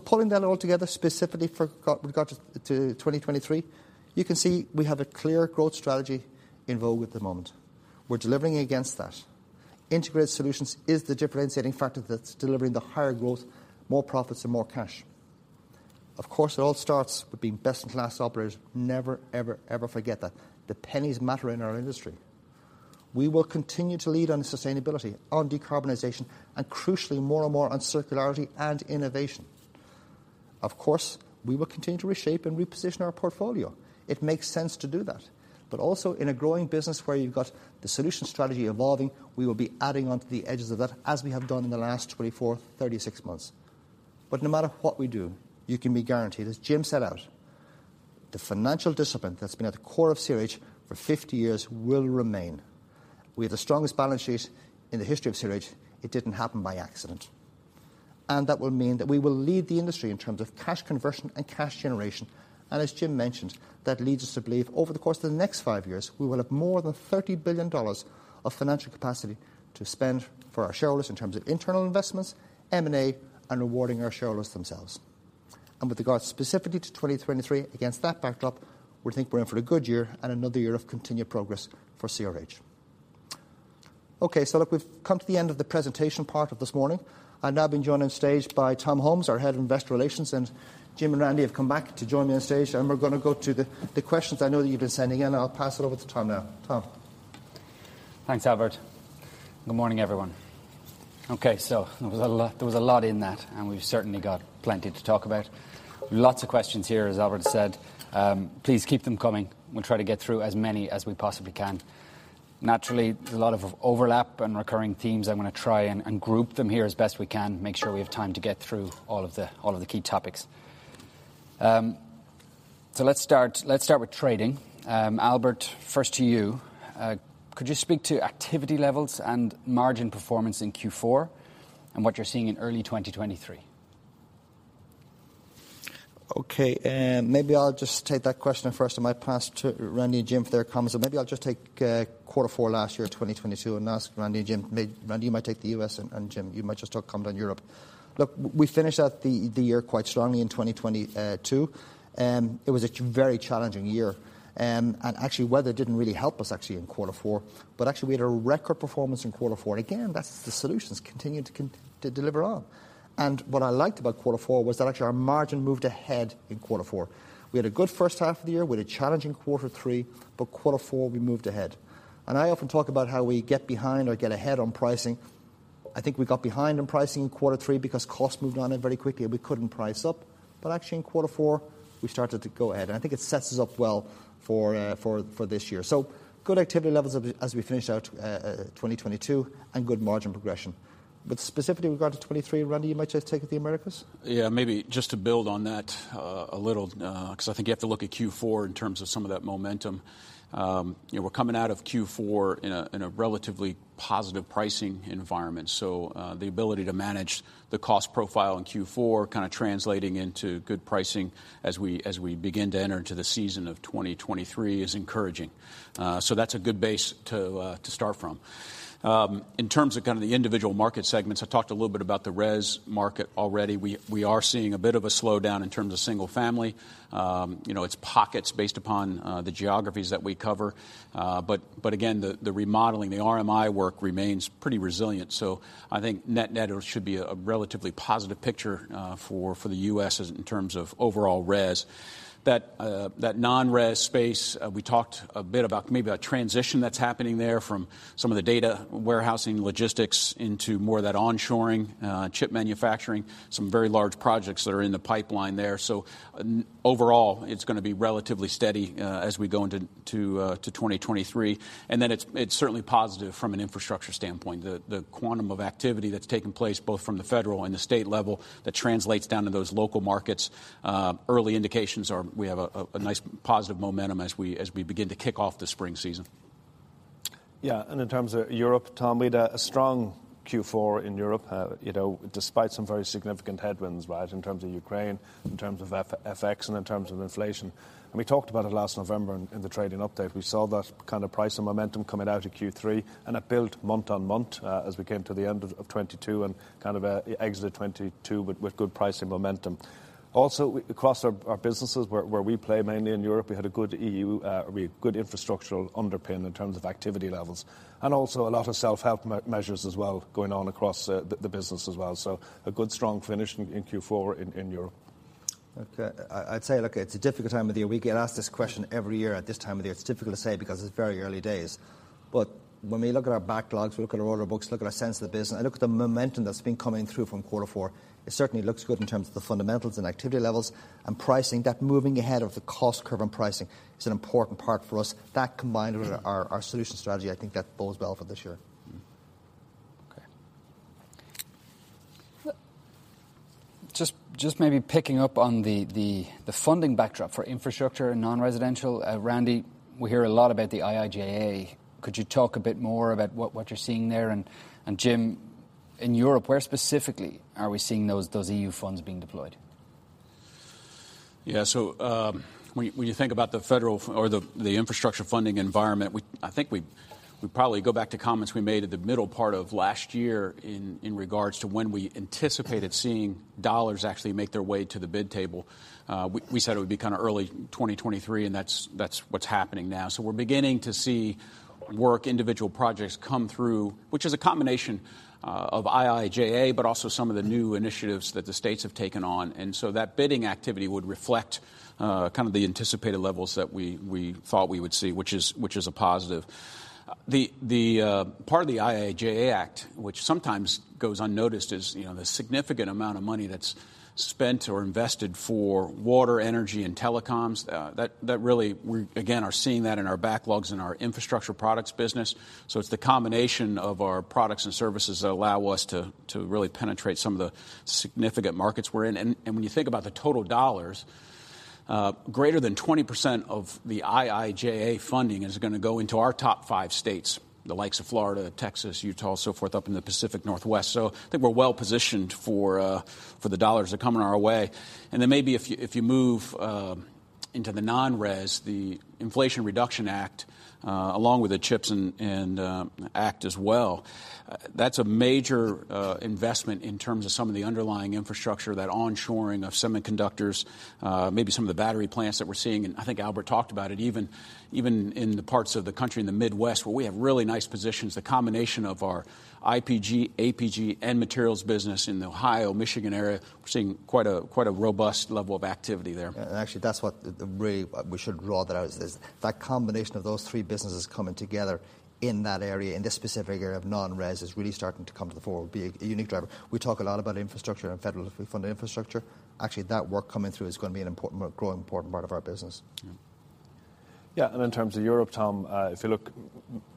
Pulling that all together, specifically for regard to 2023, you can see we have a clear growth strategy in vogue at the moment. We're delivering against that. Integrated solutions is the differentiating factor that's delivering the higher growth, more profits and more cash. Of course, it all starts with being best-in-class operators. Never ever forget that. The pennies matter in our industry. We will continue to lead on sustainability, on decarbonization, and crucially, more and more on circularity and innovation. Of course, we will continue to reshape and reposition our portfolio. It makes sense to do that. Also in a growing business where you've got the solution strategy evolving, we will be adding onto the edges of that as we have done in the last 24, 36 months. No matter what we do, you can be guaranteed, as Jim set out, the financial discipline that's been at the core of CRH for 50 years will remain. We have the strongest balance sheet in the history of CRH. It didn't happen by accident. That will mean that we will lead the industry in terms of cash conversion and cash generation. As Jim mentioned, that leads us to believe over the course of the next five years, we will have more than $30 billion of financial capacity to spend for our shareholders in terms of internal investments, M&A, and rewarding our shareholders themselves. With regard specifically to 2023, against that backdrop, we think we're in for a good year and another year of continued progress for CRH. Okay. Look, we've come to the end of the presentation part of this morning. I'll now be joined on stage by Tom Holmes, our Head of Investor Relations, and Jim and Randy have come back to join me on stage, and we're going to go to the questions I know that you've been sending in. I'll pass it over to Tom now. Tom. Thanks, Albert. Good morning, everyone. There was a lot in that, we've certainly got plenty to talk about. Lots of questions here, as Albert said. Please keep them coming. We'll try to get through as many as we possibly can. Naturally, there's a lot of overlap and recurring themes. I'm gonna try and group them here as best we can, make sure we have time to get through all of the key topics. Let's start with trading. Albert, first to you. Could you speak to activity levels and margin performance in Q4 and what you're seeing in early 2023? Okay. Maybe I'll just take that question first. I might pass to Randy and Jim for their comments. Maybe I'll just take quarter four last year, 2022, and ask Randy and Jim. Randy, you might take the U.S., and Jim, you might just talk a comment on Europe. Look, we finished out the year quite strongly in 2022. It was a very challenging year. Actually, weather didn't really help us actually in quarter four. Actually, we had a record performance in quarter four, and again, that's the solutions continuing to deliver on. What I liked about quarter four was that actually our margin moved ahead in quarter four. We had a good first half of the year. We had a challenging quarter three, quarter four we moved ahead. I often talk about how we get behind or get ahead on pricing. I think we got behind on pricing in quarter three because costs moved on it very quickly and we couldn't price up. Actually, in quarter four, we started to go ahead, and I think it sets us up well for this year. Good activity levels as we finish out 2022 and good margin progression. Specifically with regard to 2023, Randy, you might just take it, the Americas. Yeah. Maybe just to build on that a little, 'cause I think you have to look at Q4 in terms of some of that momentum. You know, we're coming out of Q4 in a relatively positive pricing environment. The ability to manage the cost profile in Q4 kind of translating into good pricing as we begin to enter into the season of 2023 is encouraging. That's a good base to start from. In terms of kind of the individual market segments, I talked a little bit about the res market already. We are seeing a bit of a slowdown in terms of single family. You know, it's pockets based upon the geographies that we cover. Again, the remodeling, the RMI work remains pretty resilient. I think net-netter should be a relatively positive picture for the U.S. as in terms of overall res. That non-res space, we talked a bit about maybe a transition that's happening there from some of the data warehousing logistics into more of that onshoring, chip manufacturing, some very large projects that are in the pipeline there. Overall, it's gonna be relatively steady as we go into to 2023. It's certainly positive from an infrastructure standpoint. The quantum of activity that's taken place both from the federal and the state level that translates down to those local markets, early indications are we have a nice positive momentum as we begin to kick off the spring season. Yeah. In terms of Europe, Tom, we had a strong Q4 in Europe, you know, despite some very significant headwinds, right, in terms of Ukraine, in terms of FX and in terms of inflation. We talked about it last November in the trading update. We saw that kind of pricing momentum coming out of Q3, and it built month on month as we came to the end of 2022 and kind of exited 2022 with good pricing momentum. Also, across our businesses where we play mainly in Europe, we had a good EU, we had good infrastructural underpin in terms of activity levels, and also a lot of self-help measures as well going on across the business as well. A good strong finish in Q4 in Europe. I'd say, look, it's a difficult time of the year. We get asked this question every year at this time of the year. It's difficult to say because it's very early days. When we look at our backlogs, we look at our order books, look at our sense of the business, I look at the momentum that's been coming through from quarter four, it certainly looks good in terms of the fundamentals and activity levels. Pricing, that moving ahead of the cost curve and pricing is an important part for us. That combined with our solutions strategy, I think that bodes well for this year. Okay. Just maybe picking up on the funding backdrop for infrastructure and non-residential, Randy, we hear a lot about the IIJA. Could you talk a bit more about what you're seeing there? Jim, in Europe, where specifically are we seeing those EU funds being deployed? When you think about the infrastructure funding environment, I think we probably go back to comments we made at the middle part of last year in regards to when we anticipated seeing dollars actually make their way to the bid table. We said it would be kind of early 2023, that's what's happening now. We're beginning to see work, individual projects come through, which is a combination of IIJA, but also some of the new initiatives that the states have taken on. That bidding activity would reflect kind of the anticipated levels that we thought we would see, which is a positive. The part of the IIJA Act which sometimes goes unnoticed is, you know, the significant amount of money that's spent or invested for water, energy, and telecoms. That really we, again, are seeing that in our backlogs in our infrastructure products business. It's the combination of our products and services that allow us to really penetrate some of the significant markets we're in. When you think about the total dollars, greater than 20% of the IIJA funding is gonna go into our top five states, the likes of Florida, Texas, Utah, so forth, up in the Pacific Northwest. I think we're well-positioned for the dollars that are coming our way. Then maybe if you, if you move into the non-res, the Inflation Reduction Act, along with the CHIPS and Science Act as well, that's a major investment in terms of some of the underlying infrastructure, that onshoring of semiconductors, maybe some of the battery plants that we're seeing, and I think Albert talked about it even in the parts of the country in the Midwest where we have really nice positions. The combination of our IPG, APG, and materials business in the Ohio, Michigan area, we're seeing quite a robust level of activity there. Actually, really we should draw that out is this, that combination of those three businesses coming together in that area, in this specific area of non-res is really starting to come to the fore, be a unique driver. We talk a lot about infrastructure and federally funded infrastructure. Actually, that work coming through is gonna be an important, a growing important part of our business. Mm-hmm. Yeah, and in terms of Europe, Tom, if you look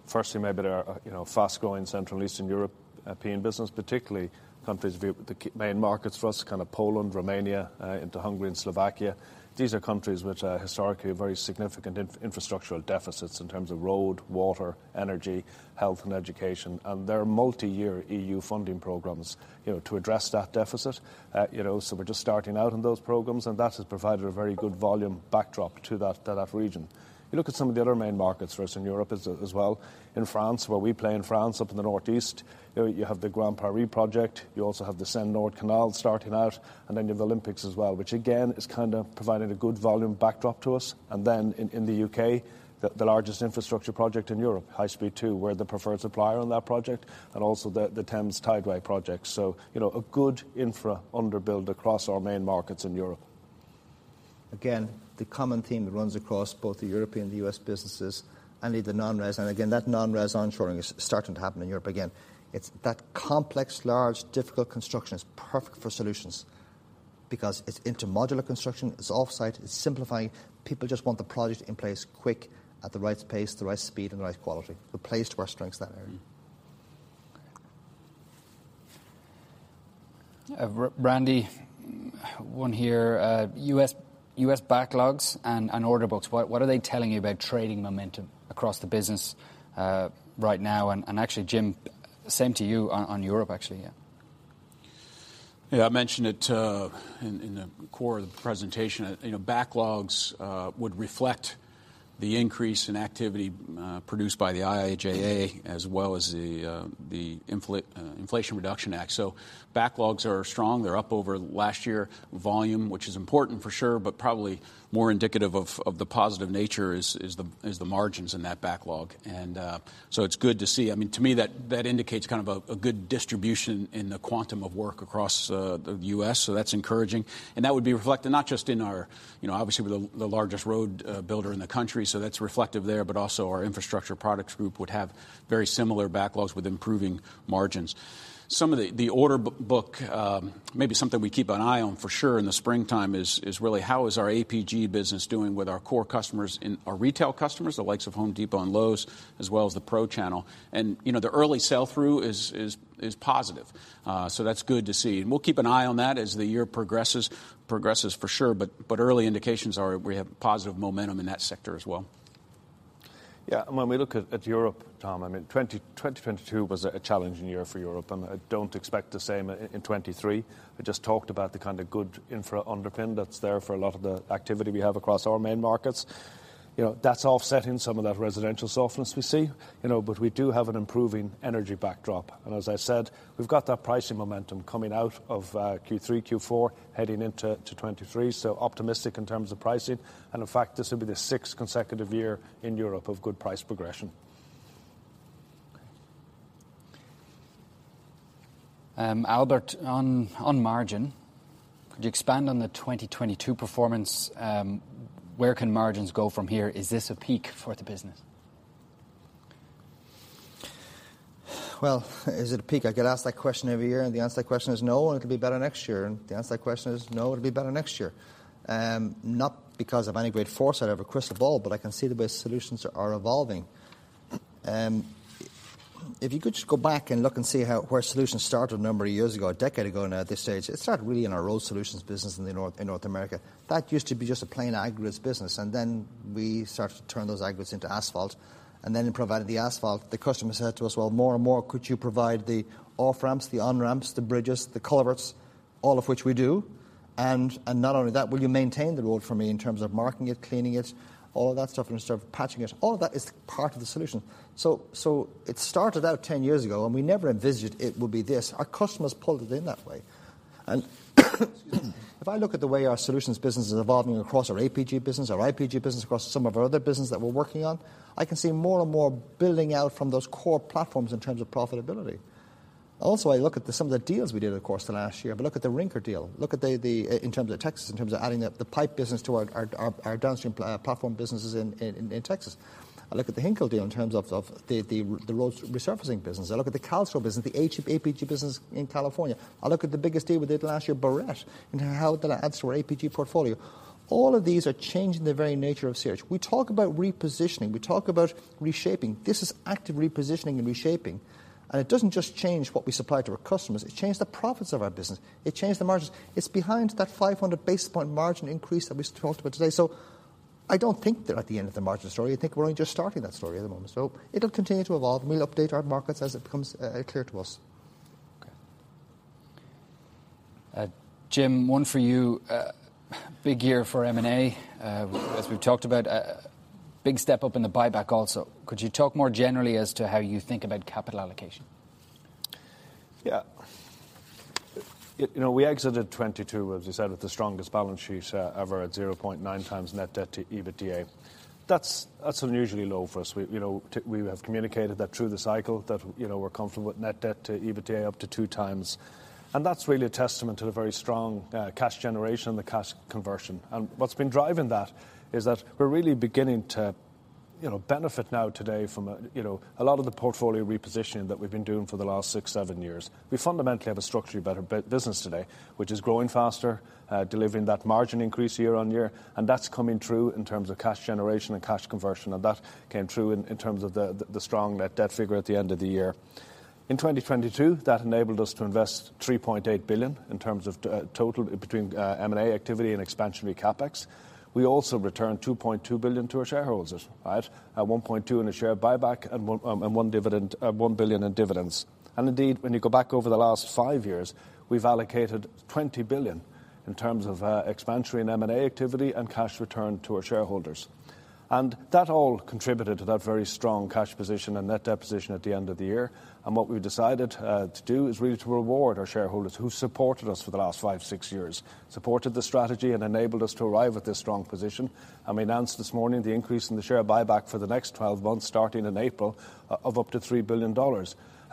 firstly maybe there are, you know, fast-growing Central and Eastern European business, particularly countries view the main markets for us, kind of Poland, Romania, into Hungary and Slovakia. These are countries which are historically very significant infrastructural deficits in terms of road, water, energy, health, and education. There are multi-year EU funding programs, you know, to address that deficit. We're just starting out in those programs, and that has provided a very good volume backdrop to that, to that region. You look at some of the other main markets for us in Europe as well. In France, where we play in France up in the northeast, you know, you have the Grand Paris project. You also have the Seine-Nord Canal starting out, and then you have the Olympics as well, which again is kind of providing a good volume backdrop to us. In the U.K., the largest infrastructure project in Europe, High Speed 2. We're the preferred supplier on that project, and also the Thames Tideway project. You know, a good infra underbuild across our main markets in Europe. Again, the common theme that runs across both the European and US businesses and in the non-res, and again, that non-res onshoring is starting to happen in Europe again. It's that complex, large, difficult construction is perfect for solutions because it's into modular construction, it's offsite, it's simplifying. People just want the project in place quick at the right pace, the right speed, and the right quality. It plays to our strengths, that area. Okay. Randy, one here, U.S. backlogs and order books, what are they telling you about trading momentum across the business right now? Actually, Jim, same to you on Europe actually. Yeah, I mentioned it in the core of the presentation. You know, backlogs would reflect the increase in activity produced by the IIJA as well as the Inflation Reduction Act. Backlogs are strong. They're up over last year volume, which is important for sure, but probably more indicative of the positive nature is the margins in that backlog. It's good to see. I mean, to me, that indicates kind of a good distribution in the quantum of work across the U.S. That's encouraging. That would be reflected not just in our, you know, obviously we're the largest road builder in the country, that's reflective there, but also our Infrastructure Products Group would have very similar backlogs with improving margins. Some of the order book, maybe something we keep an eye on for sure in the springtime is really how is our APG business doing with our core customers and our retail customers, the likes of The Home Depot and Lowe's, as well as the pro channel. You know, the early sell-through is positive. So that's good to see. We'll keep an eye on that as the year progresses for sure. Early indications are we have positive momentum in that sector as well. Yeah. When we look at Europe, Tom, I mean 2022 was a challenging year for Europe, and I don't expect the same in 2023. I just talked about the kind of good infra underpin that's there for a lot of the activity we have across our main markets. You know, that's offsetting some of that residential softness we see. You know, we do have an improving energy backdrop. As I said, we've got that pricing momentum coming out of Q3, Q4, heading into 2023, optimistic in terms of pricing. In fact, this will be the sixth consecutive year in Europe of good price progression. Albert, on margin, could you expand on the 2022 performance? Where can margins go from here? Is this a peak for the business? Well, is it a peak? I get asked that question every year, the answer to that question is no, and it'll be better next year. The answer to that question is no, it'll be better next year. Not because of any great foresight. I have a crystal ball, but I can see the way solutions are evolving. If you could just go back and look and see where solutions started a number of years ago, a decade ago now at this stage, it started really in our Road Solutions business in North America. That used to be just a plain aggregates business, then we started to turn those aggregates into asphalt. In providing the asphalt, the customer said to us, "Well, more and more, could you provide the off-ramps, the on-ramps, the bridges, the culverts?" All of which we do. Not only that, "Will you maintain the road for me in terms of marking it, cleaning it, all of that stuff, and sort of patching it?" All of that is part of the solution. It started out 10 years ago, and we never envisaged it would be this. Our customers pulled it in that way. If I look at the way our solutions business is evolving across our APG business, our IPG business, across some of our other business that we're working on, I can see more and more building out from those core platforms in terms of profitability. I look at some of the deals we did, of course, last year. Look at the Rinker deal. Look at the in terms of Texas, in terms of adding the pipe business to our downstream platform businesses in Texas. I look at the Hinkle deal in terms of the road resurfacing business. I look at the Calstone business, the APG business in California. I look at the biggest deal we did last year, Barrette, and how that adds to our APG portfolio. All of these are changing the very nature of CRH. We talk about repositioning. We talk about reshaping. This is active repositioning and reshaping. It doesn't just change what we supply to our customers, it changed the profits of our business. It changed the margins. It's behind that 500 basis point margin increase that we talked about today. I don't think they're at the end of the margin story. I think we're only just starting that story at the moment. It'll continue to evolve, and we'll update our markets as it becomes clear to us. Okay. Jim, one for you. Big year for M&A, as we've talked about. Big step up in the buyback also. Could you talk more generally as to how you think about capital allocation? It, you know, we exited 2022, as we said, with the strongest balance sheet ever at 0.9x net debt to EBITDA. That's unusually low for us. We, you know, we have communicated that through the cycle, that, you know, we're comfortable with net debt to EBITDA up to 2x. That's really a testament to the very strong cash generation and the cash conversion. What's been driving that is that we're really beginning to, you know, benefit now today from, you know, a lot of the portfolio repositioning that we've been doing for the last six, seven years. We fundamentally have a structurally better business today, which is growing faster, delivering that margin increase year-on-year, and that's coming through in terms of cash generation and cash conversion. That came through in terms of the strong net debt figure at the end of the year. In 2022, that enabled us to invest $3.8 billion in terms of total, between M&A activity and expansionary CapEx. We also returned $2.2 billion to our shareholders, right? $1.2 billion in a share buyback and $1 billion in dividends. Indeed, when you go back over the last five years, we've allocated $20 billion in terms of expansion in M&A activity and cash return to our shareholders. That all contributed to that very strong cash position and net debt position at the end of the year. What we've decided to do is really to reward our shareholders who supported us for the last five, six years, supported the strategy and enabled us to arrive at this strong position. We announced this morning the increase in the share buyback for the next 12 months, starting in April, of up to $3 billion.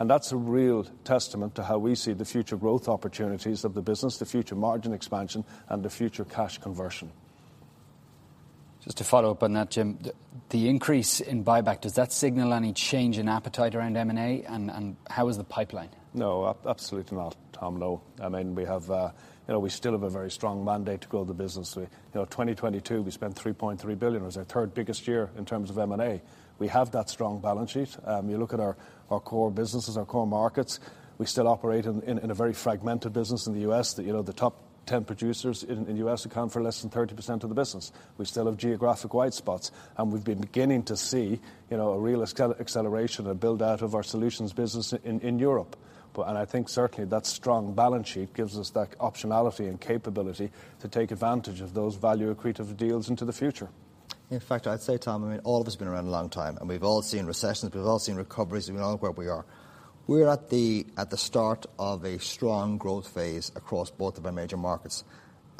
That's a real testament to how we see the future growth opportunities of the business, the future margin expansion, and the future cash conversion. Just to follow up on that, Jim. The increase in buyback, does that signal any change in appetite around M&A, and how is the pipeline? No, absolutely not, Tom. No. I mean, you know, we still have a very strong mandate to grow the business. We, you know, 2022, we spent $3.3 billion. It was our third biggest year in terms of M&A. We have that strong balance sheet. You look at our core businesses, our core markets. We still operate in a very fragmented business in the U.S. that, you know, the top 10 producers in U.S. account for less than 30% of the business. We still have geographic white spots, and we've been beginning to see, you know, a real acceleration and build-out of our solutions business in Europe. I think certainly that strong balance sheet gives us that optionality and capability to take advantage of those value-accretive deals into the future. I'd say, Tom, I mean, all of us have been around a long time, and we've all seen recessions. We've all seen recoveries. We all know where we are. We're at the start of a strong growth phase across both of our major markets.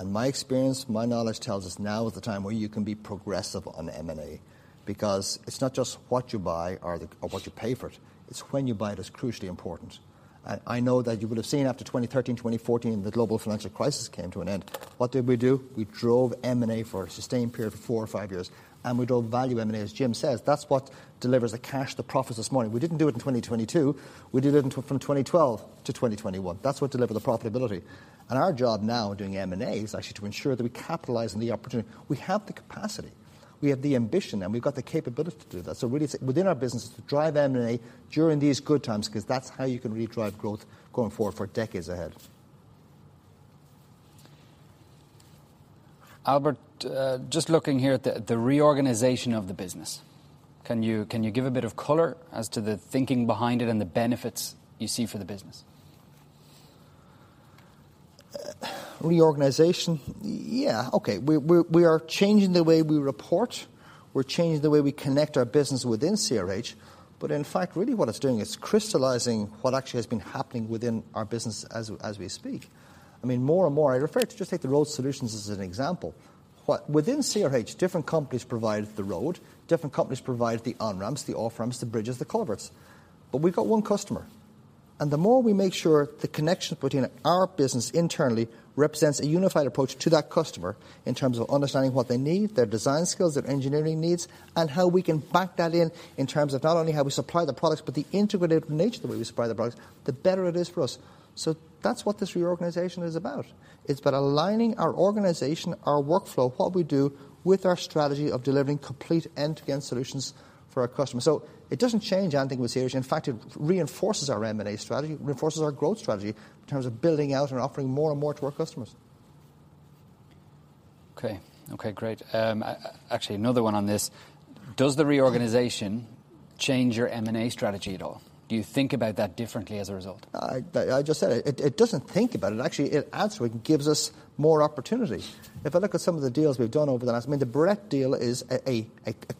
My experience, my knowledge tells us now is the time where you can be progressive on M&A because it's not just what you buy or what you pay for it's when you buy it that's crucially important. I know that you will have seen after 2013, 2014, the global financial crisis came to an end. What did we do? We drove M&A for a sustained period for four or five years, and we drove value M&A. As Jim says, that's what delivers the cash, the profits this morning. We didn't do it in 2022. We did it from 2012 to 2021. That's what delivered the profitability. Our job now in doing M&A is actually to ensure that we capitalize on the opportunity. We have the capacity, we have the ambition, and we've got the capability to do that. Really, it's within our business to drive M&A during these good times because that's how you can really drive growth going forward for decades ahead. Albert, just looking here at the reorganization of the business. Can you give a bit of color as to the thinking behind it and the benefits you see for the business? Reorganization? Yeah. Okay. We are changing the way we report. We're changing the way we connect our business within CRH. In fact, really what it's doing, it's crystallizing what actually has been happening within our business as we speak. I mean, more and more, I refer to just take the Road Solutions as an example. Well, within CRH, different companies provide the road, different companies provide the on-ramps, the off-ramps, the bridges, the culverts. We've got one customer, and the more we make sure the connection between our business internally represents a unified approach to that customer in terms of understanding what they need, their design skills, their engineering needs, and how we can back that in terms of not only how we supply the products, but the integrated nature of the way we supply the products, the better it is for us. That's what this reorganization is about. It's about aligning our organization, our workflow, what we do, with our strategy of delivering complete end-to-end solutions for our customers. It doesn't change anything with CRH. In fact, it reinforces our M&A strategy, reinforces our growth strategy in terms of building out and offering more and more to our customers. Okay. Okay, great. Actually another one on this. Does the reorganization change your M&A strategy at all? Do you think about that differently as a result? I just said it. It doesn't think about it. Actually, it absolutely gives us more opportunity. If I look at some of the deals we've done over the last. I mean, the Brett deal is a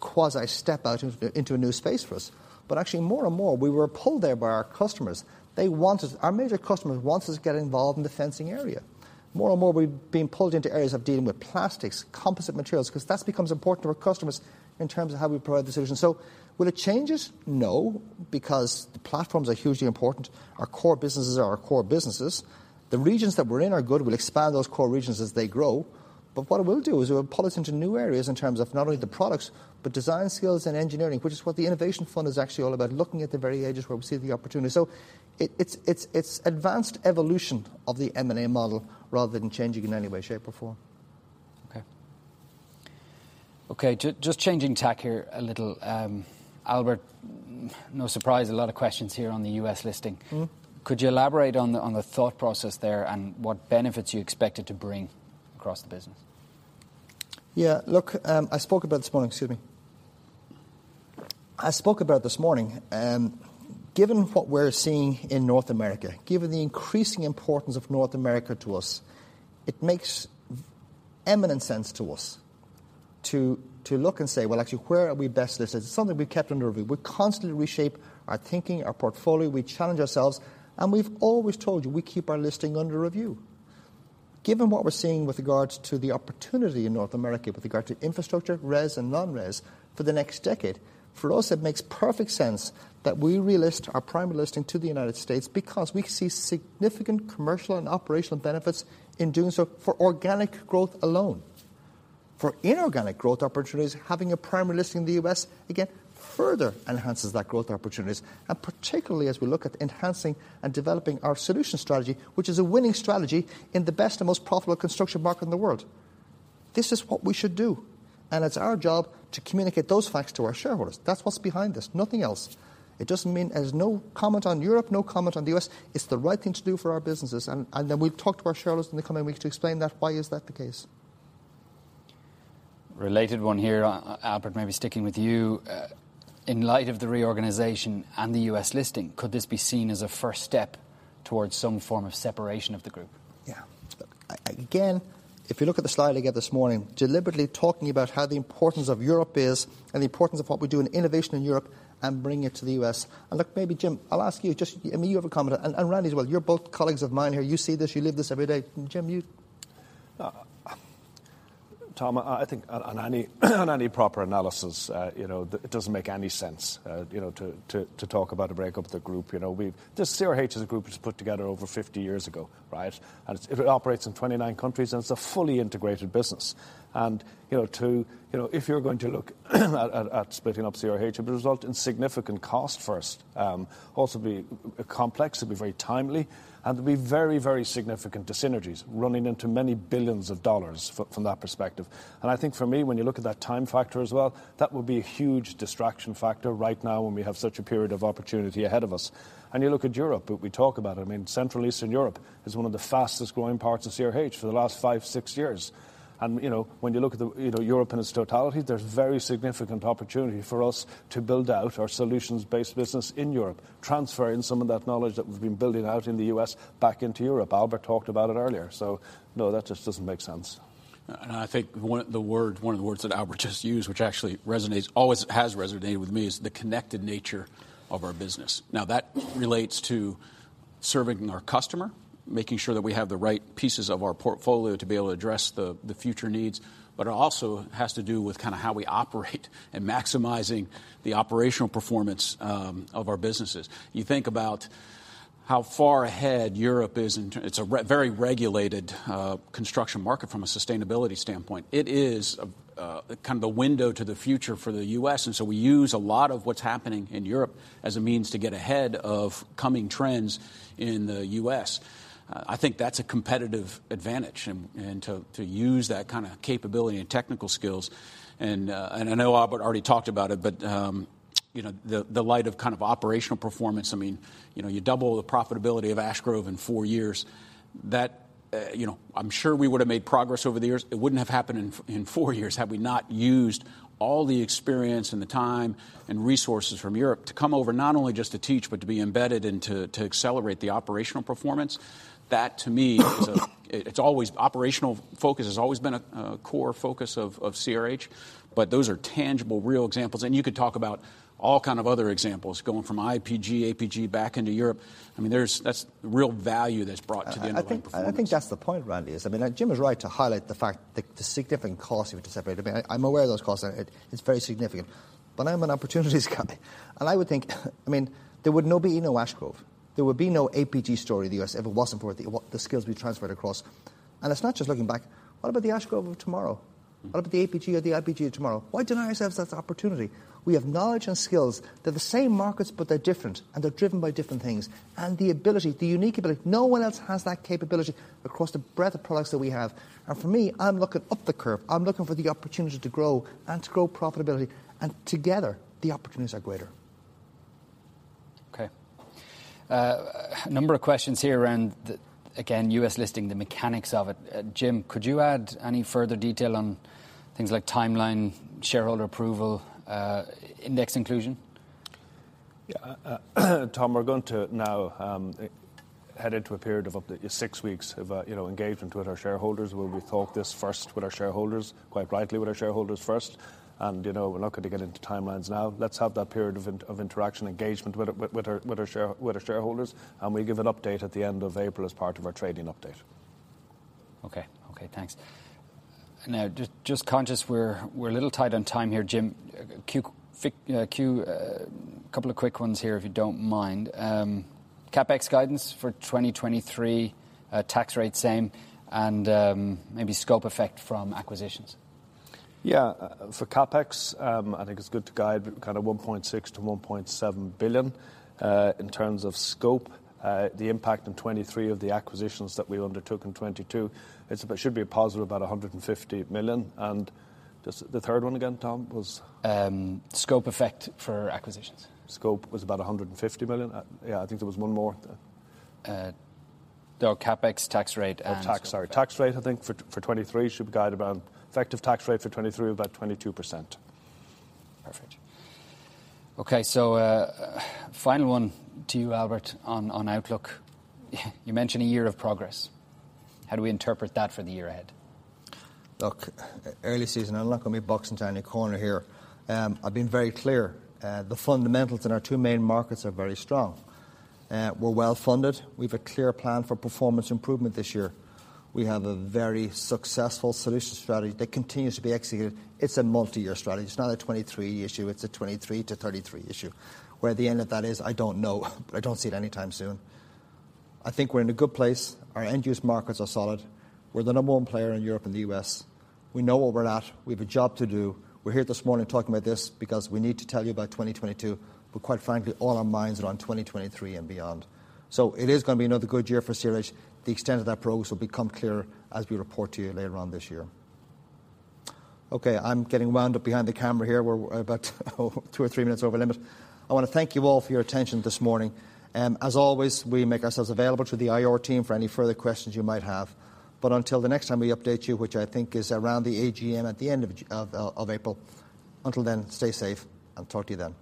quasi-step out into a new space for us. Actually more and more, we were pulled there by our customers. Our major customers want us to get involved in the fencing area. More and more we're being pulled into areas of dealing with plastics, composite materials, because that's becomes important to our customers in terms of how we provide the solution. Will it change it? No, because the platforms are hugely important. Our core businesses are our core businesses. The regions that we're in are good. We'll expand those core regions as they grow. What it will do is it will pull us into new areas in terms of not only the products, but design skills and engineering, which is what the innovation fund is actually all about, looking at the very edges where we see the opportunity. It's advanced evolution of the M&A model rather than changing in any way, shape, or form. Okay, just changing tack here a little. Albert, no surprise, a lot of questions here on the U.S. listing. Mm-hmm. Could you elaborate on the thought process there and what benefits you expect it to bring across the business? I spoke about this morning. Excuse me. I spoke about this morning, given what we're seeing in North America, given the increasing importance of North America to us, it makes eminent sense to us to look and say, "Well, actually, where are we best listed?" It's something we've kept under review. We constantly reshape our thinking, our portfolio. We challenge ourselves, and we've always told you we keep our listing under review. Given what we're seeing with regards to the opportunity in North America with regard to infrastructure, res and non-res for the next decade, for us it makes perfect sense that we relist our primary listing to the United States because we see significant commercial and operational benefits in doing so for organic growth alone. For inorganic growth opportunities, having a primary listing in the U.S., again, further enhances that growth opportunities. Particularly as we look at enhancing and developing our solution strategy, which is a winning strategy in the best and most profitable construction market in the world. This is what we should do. It's our job to communicate those facts to our shareholders. That's what's behind this. Nothing else. There's no comment on Europe, no comment on the U.S. It's the right thing to do for our businesses. Then we'll talk to our shareholders in the coming weeks to explain that, why is that the case. Related one here, Albert, maybe sticking with you. In light of the reorganization and the U.S. listing, could this be seen as a first step towards some form of separation of the group? Yeah. Look, again, if you look at the slide I gave this morning, deliberately talking about how the importance of Europe is and the importance of what we do in innovation in Europe and bringing it to the U.S. Look, maybe Jim, I'll ask you just... I mean, you have a comment, and Randy as well. You're both colleagues of mine here. You see this. You live this every day. Jim, you... Tom, I think on any, on any proper analysis, you know, it doesn't make any sense, you know, to talk about a breakup of the group. You know, this CRH as a group was put together over 50 years ago, right? It operates in 29 countries, and it's a fully integrated business. You know, if you're going to look at splitting up CRH, it would result in significant cost first. Also be complex. It'd be very timely, and there'd be very significant dis-synergies running into many billions of dollars from that perspective. I think for me, when you look at that time factor as well, that would be a huge distraction factor right now when we have such a period of opportunity ahead of us. You look at Europe, what we talk about, I mean, Central Eastern Europe is one of the fastest growing parts of CRH for the last five, six years. You know, when you look at the, you know, Europe in its totality, there's very significant opportunity for us to build out our solutions-based business in Europe, transferring some of that knowledge that we've been building out in the U.S. back into Europe. Albert talked about it earlier. No, that just doesn't make sense. I think one of the words that Albert just used, which actually resonates, always has resonated with me, is the connected nature of our business. That relates to serving our customer, making sure that we have the right pieces of our portfolio to be able to address the future needs, it also has to do with kind of how we operate and maximizing the operational performance of our businesses. You think about how far ahead Europe is in It's a very regulated construction market from a sustainability standpoint. It is kind of a window to the future for the U.S., we use a lot of what's happening in Europe as a means to get ahead of coming trends in the U.S. I think that's a competitive advantage and to use that kind of capability and technical skills, and I know Albert already talked about it, but, you know, the light of kind of operational performance, I mean, you know, you double the profitability of Ash Grove in four years, that, you know, I'm sure we would have made progress over the years. It wouldn't have happened in four years had we not used all the experience and the time and resources from Europe to come over not only just to teach, but to be embedded and to accelerate the operational performance. That, to me, is a. It's always. Operational focus has always been a core focus of CRH, but those are tangible, real examples. You could talk about all kind of other examples, going from IPG, APG, back into Europe. I mean, there's... That's real value that's brought to the underlying performance. I think that's the point, Randy, is, I mean, Jim is right to highlight the significant cost if we were to separate. I mean, I'm aware of those costs. It's very significant. I'm an opportunities guy, and I would think, I mean, there would no be no Ash Grove. There would be no APG story in the U.S. if it wasn't for the skills we transferred across. It's not just looking back. What about the Ash Grove of tomorrow? What about the APG or the IPG of tomorrow? Why deny ourselves that opportunity? We have knowledge and skills. They're the same markets, but they're different, and they're driven by different things. The ability, the unique ability, no one else has that capability across the breadth of products that we have. For me, I'm looking up the curve. I'm looking for the opportunity to grow, and to grow profitability. Together, the opportunities are greater. Okay. A number of questions here around the, again, U.S. listing, the mechanics of it. Jim, could you add any further detail on things like timeline, shareholder approval, index inclusion? Yeah. Tom, we're going to now head into a period of up to six weeks of, you know, engagement with our shareholders, where we talk this first with our shareholders, quite rightly with our shareholders first. You know, we're not going to get into timelines now. Let's have that period of interaction, engagement with our shareholders, and we give an update at the end of April as part of our trading update. Okay. Thanks. Just conscious we're a little tight on time here, Jim. Couple of quick ones here if you don't mind. CapEx guidance for 2023, tax rate same, and maybe scope effect from acquisitions. Yeah. For CapEx, I think it's good to guide kind of $1.6 billion-$1.7 billion. In terms of scope, the impact in 2023 of the acquisitions that we undertook in 2022, should be a positive about $150 million. The third one again, Tom, was? Scope effect for acquisitions. Scope was about $150 million. Yeah, I think there was one more. There were CapEx, tax rate. Oh, tax. Sorry. Tax rate, I think, for 2023 should guide around effective tax rate for 2023 of about 22%. Perfect. Okay, final one to you, Albert, on outlook. You mentioned a year of progress. How do we interpret that for the year ahead? early season, I'm not gonna be boxing into any corner here. I've been very clear. The fundamentals in our two main markets are very strong. We're well-funded. We've a clear plan for performance improvement this year. We have a very successful solutions strategy that continues to be executed. It's a multi-year strategy. It's not a 2023 issue. It's a 2023 to 2033 issue. Where the end of that is, I don't know, but I don't see it anytime soon. I think we're in a good place. Our end use markets are solid. We're the number one player in Europe and the U.S. We know where we're at. We've a job to do. We're here this morning talking about this because we need to tell you about 2022, but quite frankly, all our minds are on 2023 and beyond. It is going to be another good year for CRH. The extent of that progress will become clearer as we report to you later on this year. Okay, I'm getting wound up behind the camera here. We're about 2 or 3 minutes over limit. I want to thank you all for your attention this morning. As always, we make ourselves available through the IR team for any further questions you might have. Until the next time we update you, which I think is around the AGM at the end of April, until then, stay safe, and talk to you then.